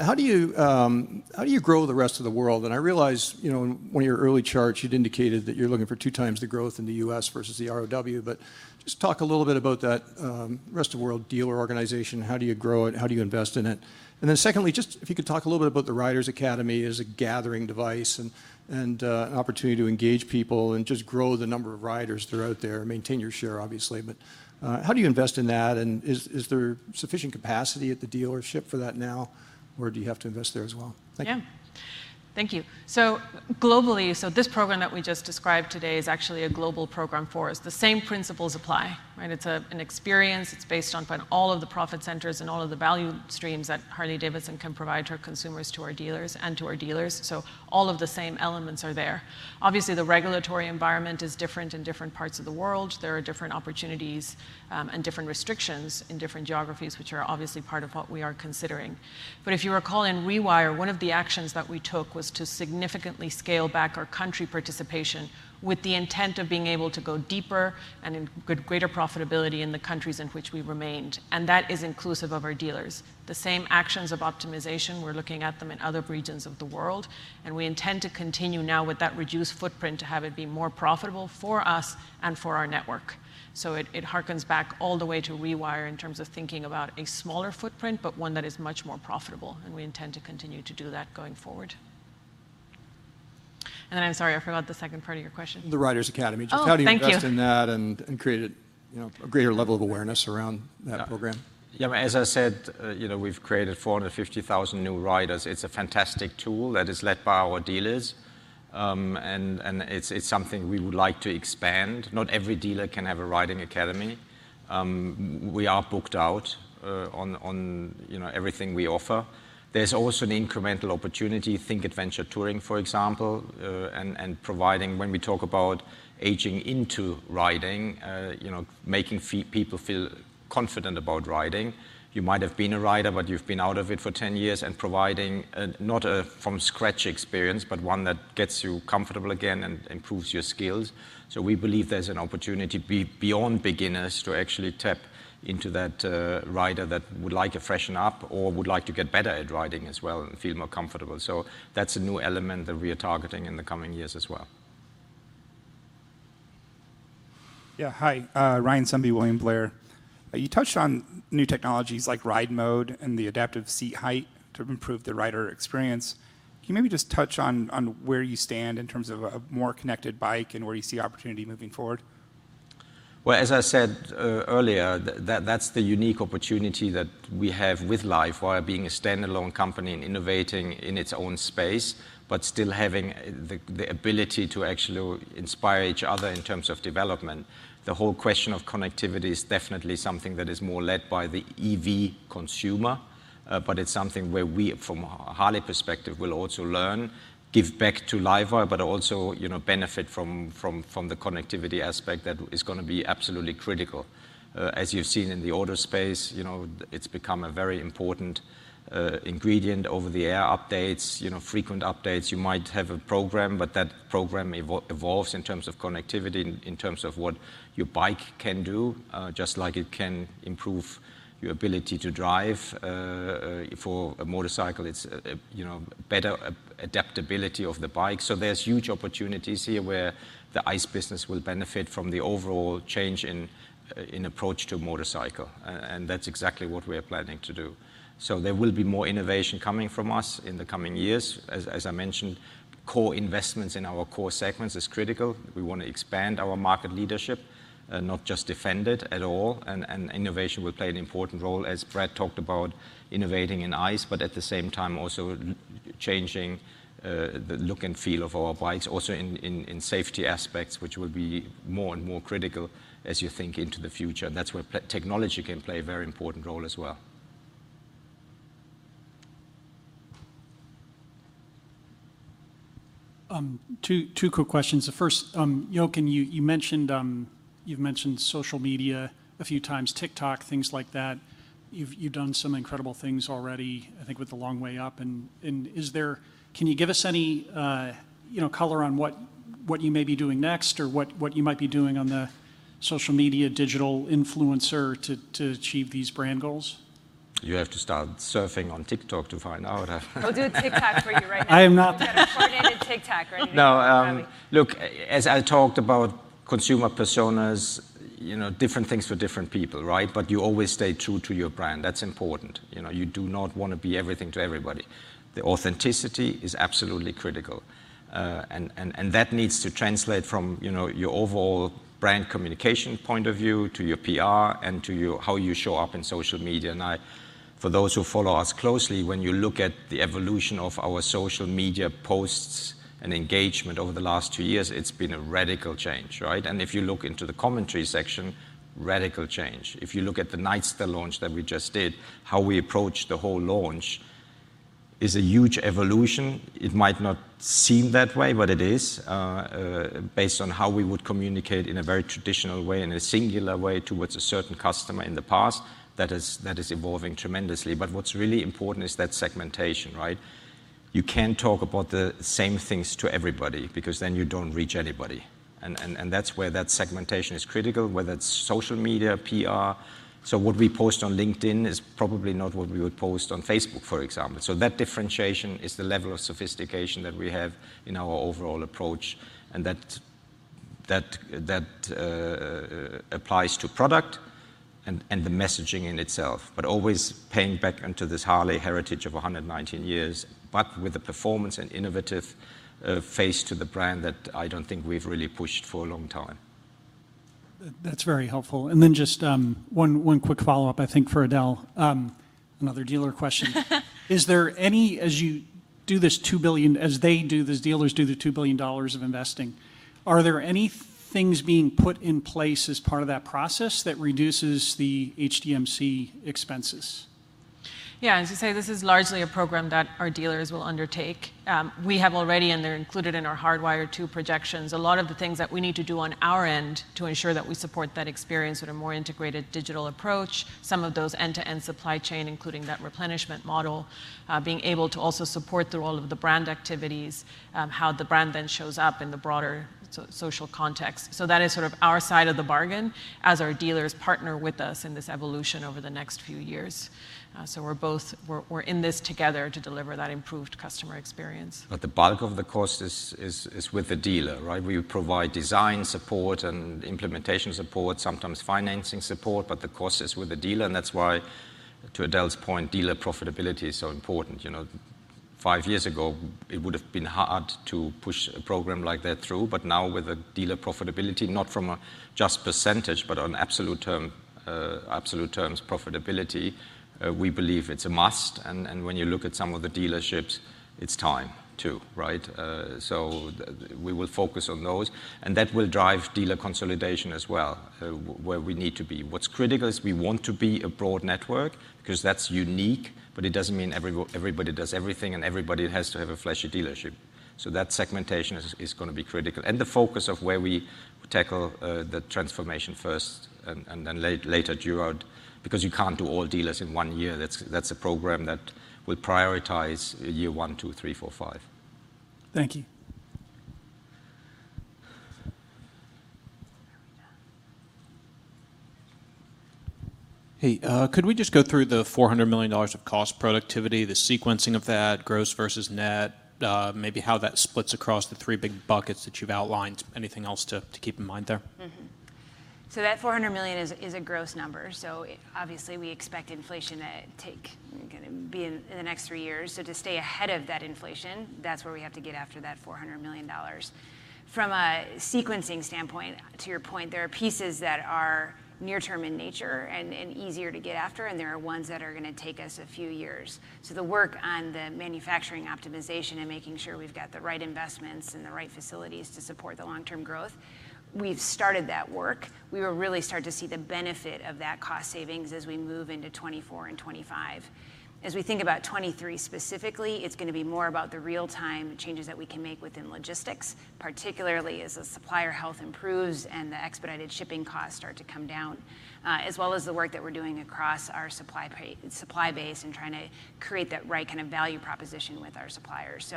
How do you grow the rest of the world? I realize, you know, in one of your early charts, you'd indicated that you're looking for 2x the growth in the U.S. versus the ROW, but just talk a little bit about that, rest of world dealer organization. How do you grow it? How do you invest in it? Then secondly, just if you could talk a little bit about the Riding Academy as a gathering device and an opportunity to engage people and just grow the number of riders that are out there, maintain your share, obviously. How do you invest in that, and is there sufficient capacity at the dealership for that now, or do you have to invest there as well? Thank you. Yeah. Thank you. Globally, this program that we just described today is actually a global program for us. The same principles apply, right? It's an experience. It's based on all of the profit centers and all of the value streams that Harley-Davidson can provide to our consumers, to our dealers, so all of the same elements are there. Obviously, the regulatory environment is different in different parts of the world. There are different opportunities, and different restrictions in different geographies, which are obviously part of what we are considering. If you recall in Rewire, one of the actions that we took was to significantly scale back our country participation with the intent of being able to go deeper and in greater profitability in the countries in which we remained, and that is inclusive of our dealers. The same actions of optimization, we're looking at them in other regions of the world, and we intend to continue now with that reduced footprint to have it be more profitable for us and for our network. It harkens back all the way to Rewire in terms of thinking about a smaller footprint, but one that is much more profitable, and we intend to continue to do that going forward. I'm sorry, I forgot the second part of your question. The Riding Academy. Oh, thank you. Just how do you invest in that and create a, you know, a greater level of awareness around that program? Yeah, as I said, you know, we've created 450,000 new riders. It's a fantastic tool that is led by our dealers. It's something we would like to expand. Not every dealer can have a Riding Academy. We are booked out, you know, on everything we offer. There's also an incremental opportunity, think adventure touring, for example, and providing when we talk about aging into riding, you know, making people feel confident about riding. You might have been a rider, but you've been out of it for 10 years and providing, not a from scratch experience, but one that gets you comfortable again and improves your skills. We believe there's an opportunity beyond beginners to actually tap into that rider that would like to freshen up or would like to get better at riding as well and feel more comfortable. That's a new element that we are targeting in the coming years as well. Yeah. Hi, Ryan Sundby, William Blair. You touched on new technologies like ride mode and the Adaptive Ride Height to improve the rider experience. Can you maybe just touch on where you stand in terms of a more connected bike and where you see opportunity moving forward? Well, as I said earlier, that's the unique opportunity that we have with LiveWire being a standalone company and innovating in its own space, but still having the ability to actually inspire each other in terms of development. The whole question of connectivity is definitely something that is more led by the EV consumer, but it's something where we from a Harley perspective will also learn, give back to LiveWire, but also, you know, benefit from the connectivity aspect that is gonna be absolutely critical. As you've seen in the auto space, you know, it's become a very important ingredient over the air updates, you know, frequent updates. You might have a program, but that program evolves in terms of connectivity, in terms of what your bike can do, just like it can improve your ability to drive for a motorcycle. It's, you know, better adaptability of the bike. There's huge opportunities here where the ICE business will benefit from the overall change in approach to motorcycle. That's exactly what we are planning to do. There will be more innovation coming from us in the coming years. As I mentioned, core investments in our core segments is critical. We want to expand our market leadership, not just defend it at all, and innovation will play an important role, as Brad talked about innovating in ICE, but at the same time also changing the look and feel of our bikes, also in safety aspects, which will be more and more critical as you think into the future. That's where technology can play a very important role as well. Two quick questions. The first, Jochen, you mentioned social media a few times, TikTok, things like that. You've done some incredible things already, I think with The Long Way Up and can you give us any, you know, color on what you may be doing next or what you might be doing on the social media digital influencer to achieve these brand goals? You have to start surfing on TikTok to find out. We'll do a TikTok for you right now. I am not. We've got a coordinated TikTok right here. No, look, as I talked about consumer personas, you know, different things for different people, right? You always stay true to your brand. That's important. You know, you do not want to be everything to everybody. The authenticity is absolutely critical. That needs to translate from, you know, your overall brand communication point of view to your PR and to your, how you show up in social media. For those who follow us closely, when you look at the evolution of our social media posts and engagement over the last two years, it's been a radical change, right? If you look into the commentary section, radical change. If you look at the Nightster launch that we just did, how we approached the whole launch is a huge evolution. It might not seem that way, but it is based on how we would communicate in a very traditional way and a singular way towards a certain customer in the past that is evolving tremendously. What's really important is that segmentation, right? You can't talk about the same things to everybody because then you don't reach anybody and that's where that segmentation is critical, whether it's social media, PR. What we post on LinkedIn is probably not what we would post on Facebook, for example. That differentiation is the level of sophistication that we have in our overall approach, and that applies to product and the messaging in itself. Always paying back into this Harley heritage of 119 years, but with the performance and innovative face to the brand that I don't think we've really pushed for a long time. That's very helpful. Just one quick follow-up, I think for Edel. Another dealer question. Is there any, as they do this, dealers do the $2 billion of investing, are there any things being put in place as part of that process that reduces the HDMC expenses? Yeah, as you say, this is largely a program that our dealers will undertake. We have already, and they're included in our Hardwire II projections. A lot of the things that we need to do on our end to ensure that we support that experience with a more integrated digital approach. Some of those end-to-end supply chain, including that replenishment model, being able to also support the role of the brand activities, how the brand then shows up in the broader social context. That is sort of our side of the bargain as our dealers partner with us in this evolution over the next few years. We're both in this together to deliver that improved customer experience. The bulk of the cost is with the dealer, right? We provide design support and implementation support, sometimes financing support, but the cost is with the dealer, and that's why. To Edel's point, dealer profitability is so important. You know, five years ago, it would've been hard to push a program like that through, but now with the dealer profitability, not from just a percentage, but on absolute terms profitability, we believe it's a must. When you look at some of the dealerships, it's time, right? We will focus on those, and that will drive dealer consolidation as well, where we need to be. What's critical is we want to be a broad network 'cause that's unique, but it doesn't mean everybody does everything, and everybody has to have a flashy dealership, so that segmentation is gonna be critical. The focus of where we tackle the transformation first and then later throughout because you can't do all dealers in one year. That's a program that will prioritize year one, two, three, four, five. Thank you. Hey, could we just go through the $400 million of cost productivity, the sequencing of that, gross versus net, maybe how that splits across the three big buckets that you've outlined? Anything else to keep in mind there? That $400 million is a gross number, so obviously we expect inflation that's gonna be in the next three years. To stay ahead of that inflation, that's where we have to get after that $400 million. From a sequencing standpoint, to your point, there are pieces that are near term in nature and easier to get after, and there are ones that are gonna take us a few years. The work on the manufacturing optimization and making sure we've got the right investments and the right facilities to support the long-term growth, we've started that work. We will really start to see the benefit of that cost savings as we move into 2024 and 2025. As we think about 2023 specifically, it's gonna be more about the real-time changes that we can make within logistics, particularly as the supplier health improves and the expedited shipping costs start to come down, as well as the work that we're doing across our supply base and trying to create that right kind of value proposition with our suppliers.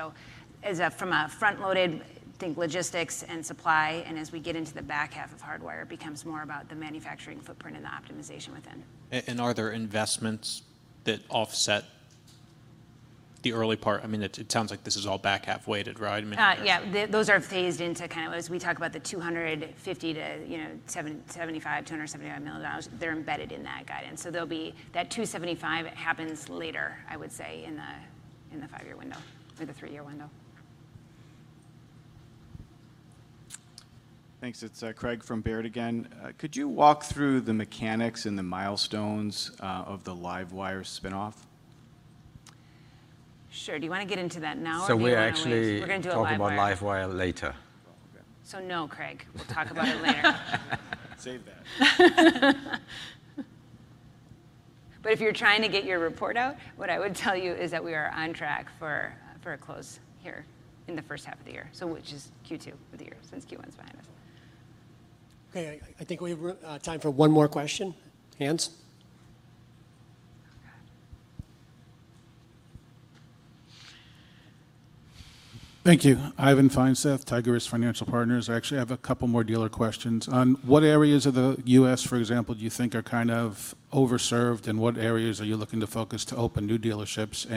From a front-loaded, think logistics and supply, and as we get into the back half of Hardwire, it becomes more about the manufacturing footprint and the optimization within. Are there investments that offset the early part? I mean, it sounds like this is all back-half weighted, right? I mean, Yeah. Those are phased into kind of, as we talk about the $250 million-$275 million. They're embedded in that guidance, so there'll be, that 275 happens later, I would say, in the five-year window or the three-year window. Thanks. It's Craig from Baird again. Could you walk through the mechanics and the milestones of the LiveWire spinoff? Sure. Do you wanna get into that now or do you wanna wait? We actually We're gonna do it LiveWire. Talk about LiveWire later. Oh, okay. No, Craig. We'll talk about it later. Save that. If you're trying to get your report out, what I would tell you is that we are on track for a close here in the first half of the year, so which is Q2 of the year, since Q1's behind us. Okay. I think we have time for one more question. Hands? Oh, God. Thank you. Ivan Feinseth, Tigress Financial Partners. I actually have a couple more dealer questions. On what areas of the U.S., for example, do you think are kind of overserved, and what areas are you looking to focus to open new dealerships?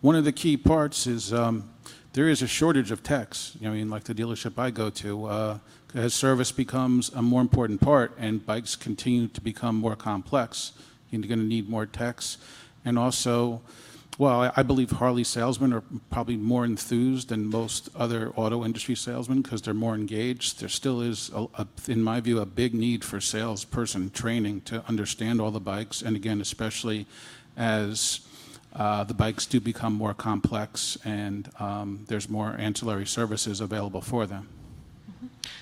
One of the key parts is, there is a shortage of techs. You know, I mean, like the dealership I go to, as service becomes a more important part and bikes continue to become more complex, you're gonna need more techs. Also, while I believe Harley salesmen are probably more enthused than most other auto industry salesmen 'cause they're more engaged, there still is, in my view, a big need for salesperson training to understand all the bikes, and again, especially as, the bikes do become more complex and, there's more ancillary services available for them.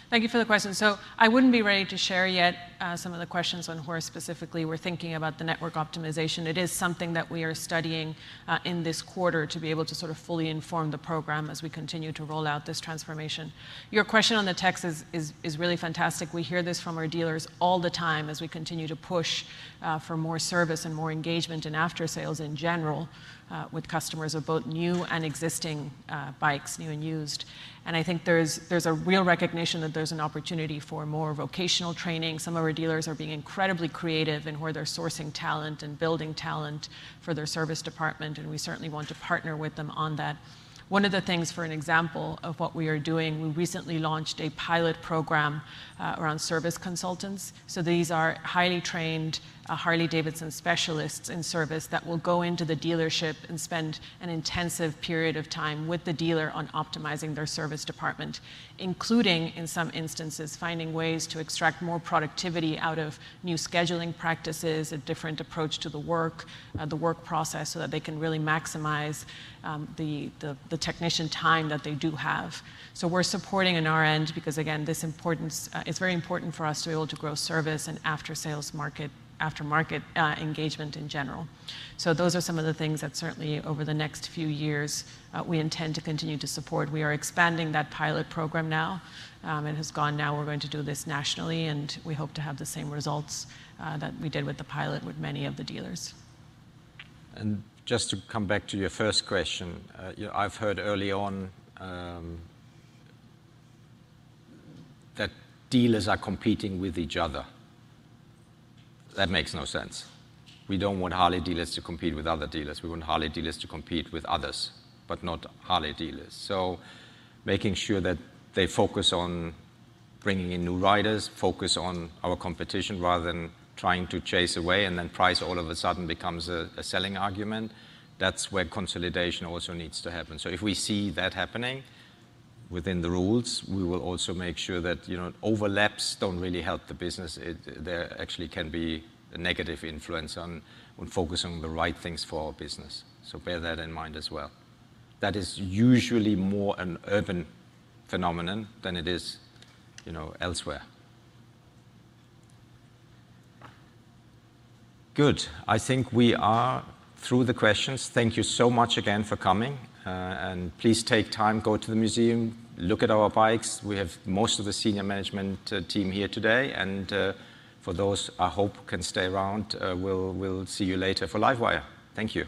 Mm-hmm. Thank you for the question. I wouldn't be ready to share yet some of the questions on where specifically we're thinking about the network optimization. It is something that we are studying in this quarter to be able to sort of fully inform the program as we continue to roll out this transformation. Your question on the techs is really fantastic. We hear this from our dealers all the time as we continue to push for more service and more engagement in aftersales in general with customers of both new and existing bikes, new and used. I think there's a real recognition that there's an opportunity for more vocational training. Some of our dealers are being incredibly creative in where they're sourcing talent and building talent for their service department, and we certainly want to partner with them on that. One of the things, for an example, of what we are doing, we recently launched a pilot program around service consultants. These are highly trained Harley-Davidson specialists in service that will go into the dealership and spend an intensive period of time with the dealer on optimizing their service department, including, in some instances, finding ways to extract more productivity out of new scheduling practices, a different approach to the work, the work process, so that they can really maximize the technician time that they do have. We're supporting on our end because, again, this importance, it's very important for us to be able to grow service and after-sales market, aftermarket, engagement in general. Those are some of the things that certainly over the next few years, we intend to continue to support. We are expanding that pilot program now. It has gone now. We're going to do this nationally, and we hope to have the same results that we did with the pilot with many of the dealers. Just to come back to your first question, you know, I've heard early on, that dealers are competing with each other. That makes no sense. We don't want Harley dealers to compete with other dealers. We want Harley dealers to compete with others, but not Harley dealers. Making sure that they focus on bringing in new riders, focus on our competition rather than trying to chase away and then price all of a sudden becomes a selling argument. That's where consolidation also needs to happen. If we see that happening within the rules, we will also make sure that, you know, overlaps don't really help the business. It, they're actually can be a negative influence on focusing on the right things for our business, so bear that in mind as well. That is usually more an urban phenomenon than it is, you know, elsewhere. Good. I think we are through the questions. Thank you so much again for coming, and please take time, go to the museum, look at our bikes. We have most of the senior management team here today, and for those I hope can stay around, we'll see you later for LiveWire. Thank you.